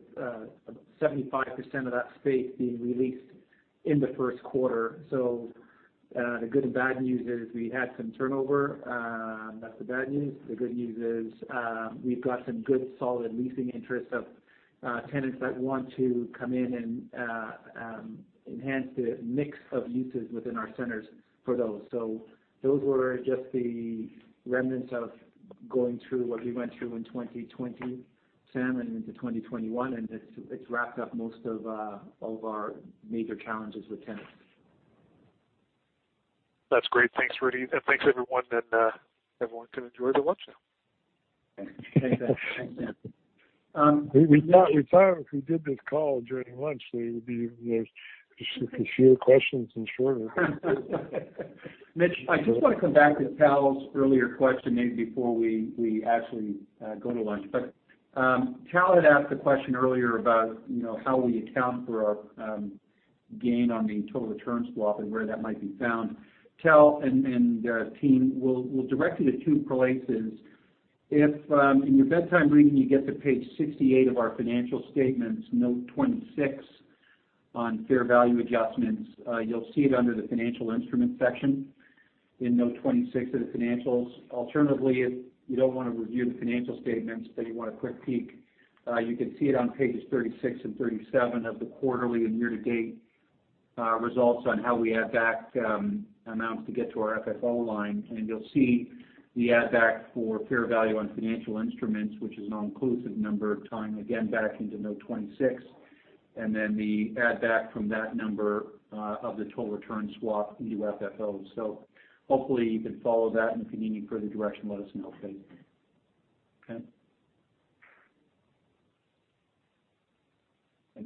75% of that space being re-leased in the first quarter. The good and bad news is we had some turnover, that's the bad news. The good news is, we've got some good, solid leasing interest of tenants that want to come in and enhance the mix of uses within our centers for those. Those were just the remnants of going through what we went through in 2020, Sam, and into 2021, and it's wrapped up most of our major challenges with tenants. That's great. Thanks, Rudy. Thanks everyone. Everyone can enjoy their lunch now. Thanks, Sam. We'd not retire if we did this call during lunch, so it would be even less, just a few questions and shorter. Mitch, I just want to come back to Tal's earlier question, maybe before we actually go to lunch. Tal had asked a question earlier about, you know, how we account for our gain on the total return swap and where that might be found. Tal and the team, we'll direct you to two places. If in your bedtime reading, you get to page 68 of our financial statements, note 26 on fair value adjustments, you'll see it under the financial instruments section in note 26 of the financials. Alternatively, if you don't wanna review the financial statements, but you want a quick peek, you can see it on pages 36 and 37 of the quarterly and year to date results on how we add back amounts to get to our FFO line. You'll see the add back for fair value on financial instruments, which is an all-inclusive number tying again back into note 26, and then the add back from that number of the total return swap into FFO. Hopefully, you can follow that, and if you need any further direction, let us know, please. Okay.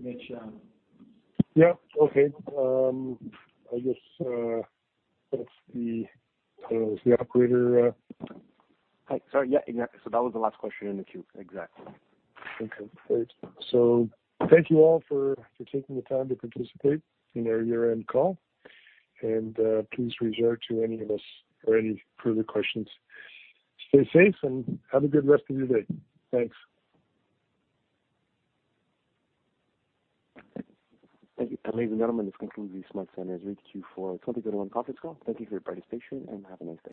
Mitch. Yeah. Okay. I guess that's the operator. Hi. Sorry. Yeah. Exactly. That was the last question in the queue. Exactly. Okay, great. Thank you all for taking the time to participate in our year-end call, and please reach out to any of us for any further questions. Stay safe and have a good rest of your day. Thanks. Thank you. Ladies and gentlemen, this concludes the SmartCentres REIT Q4 2021 conference call. Thank you for your participation, and have a nice day.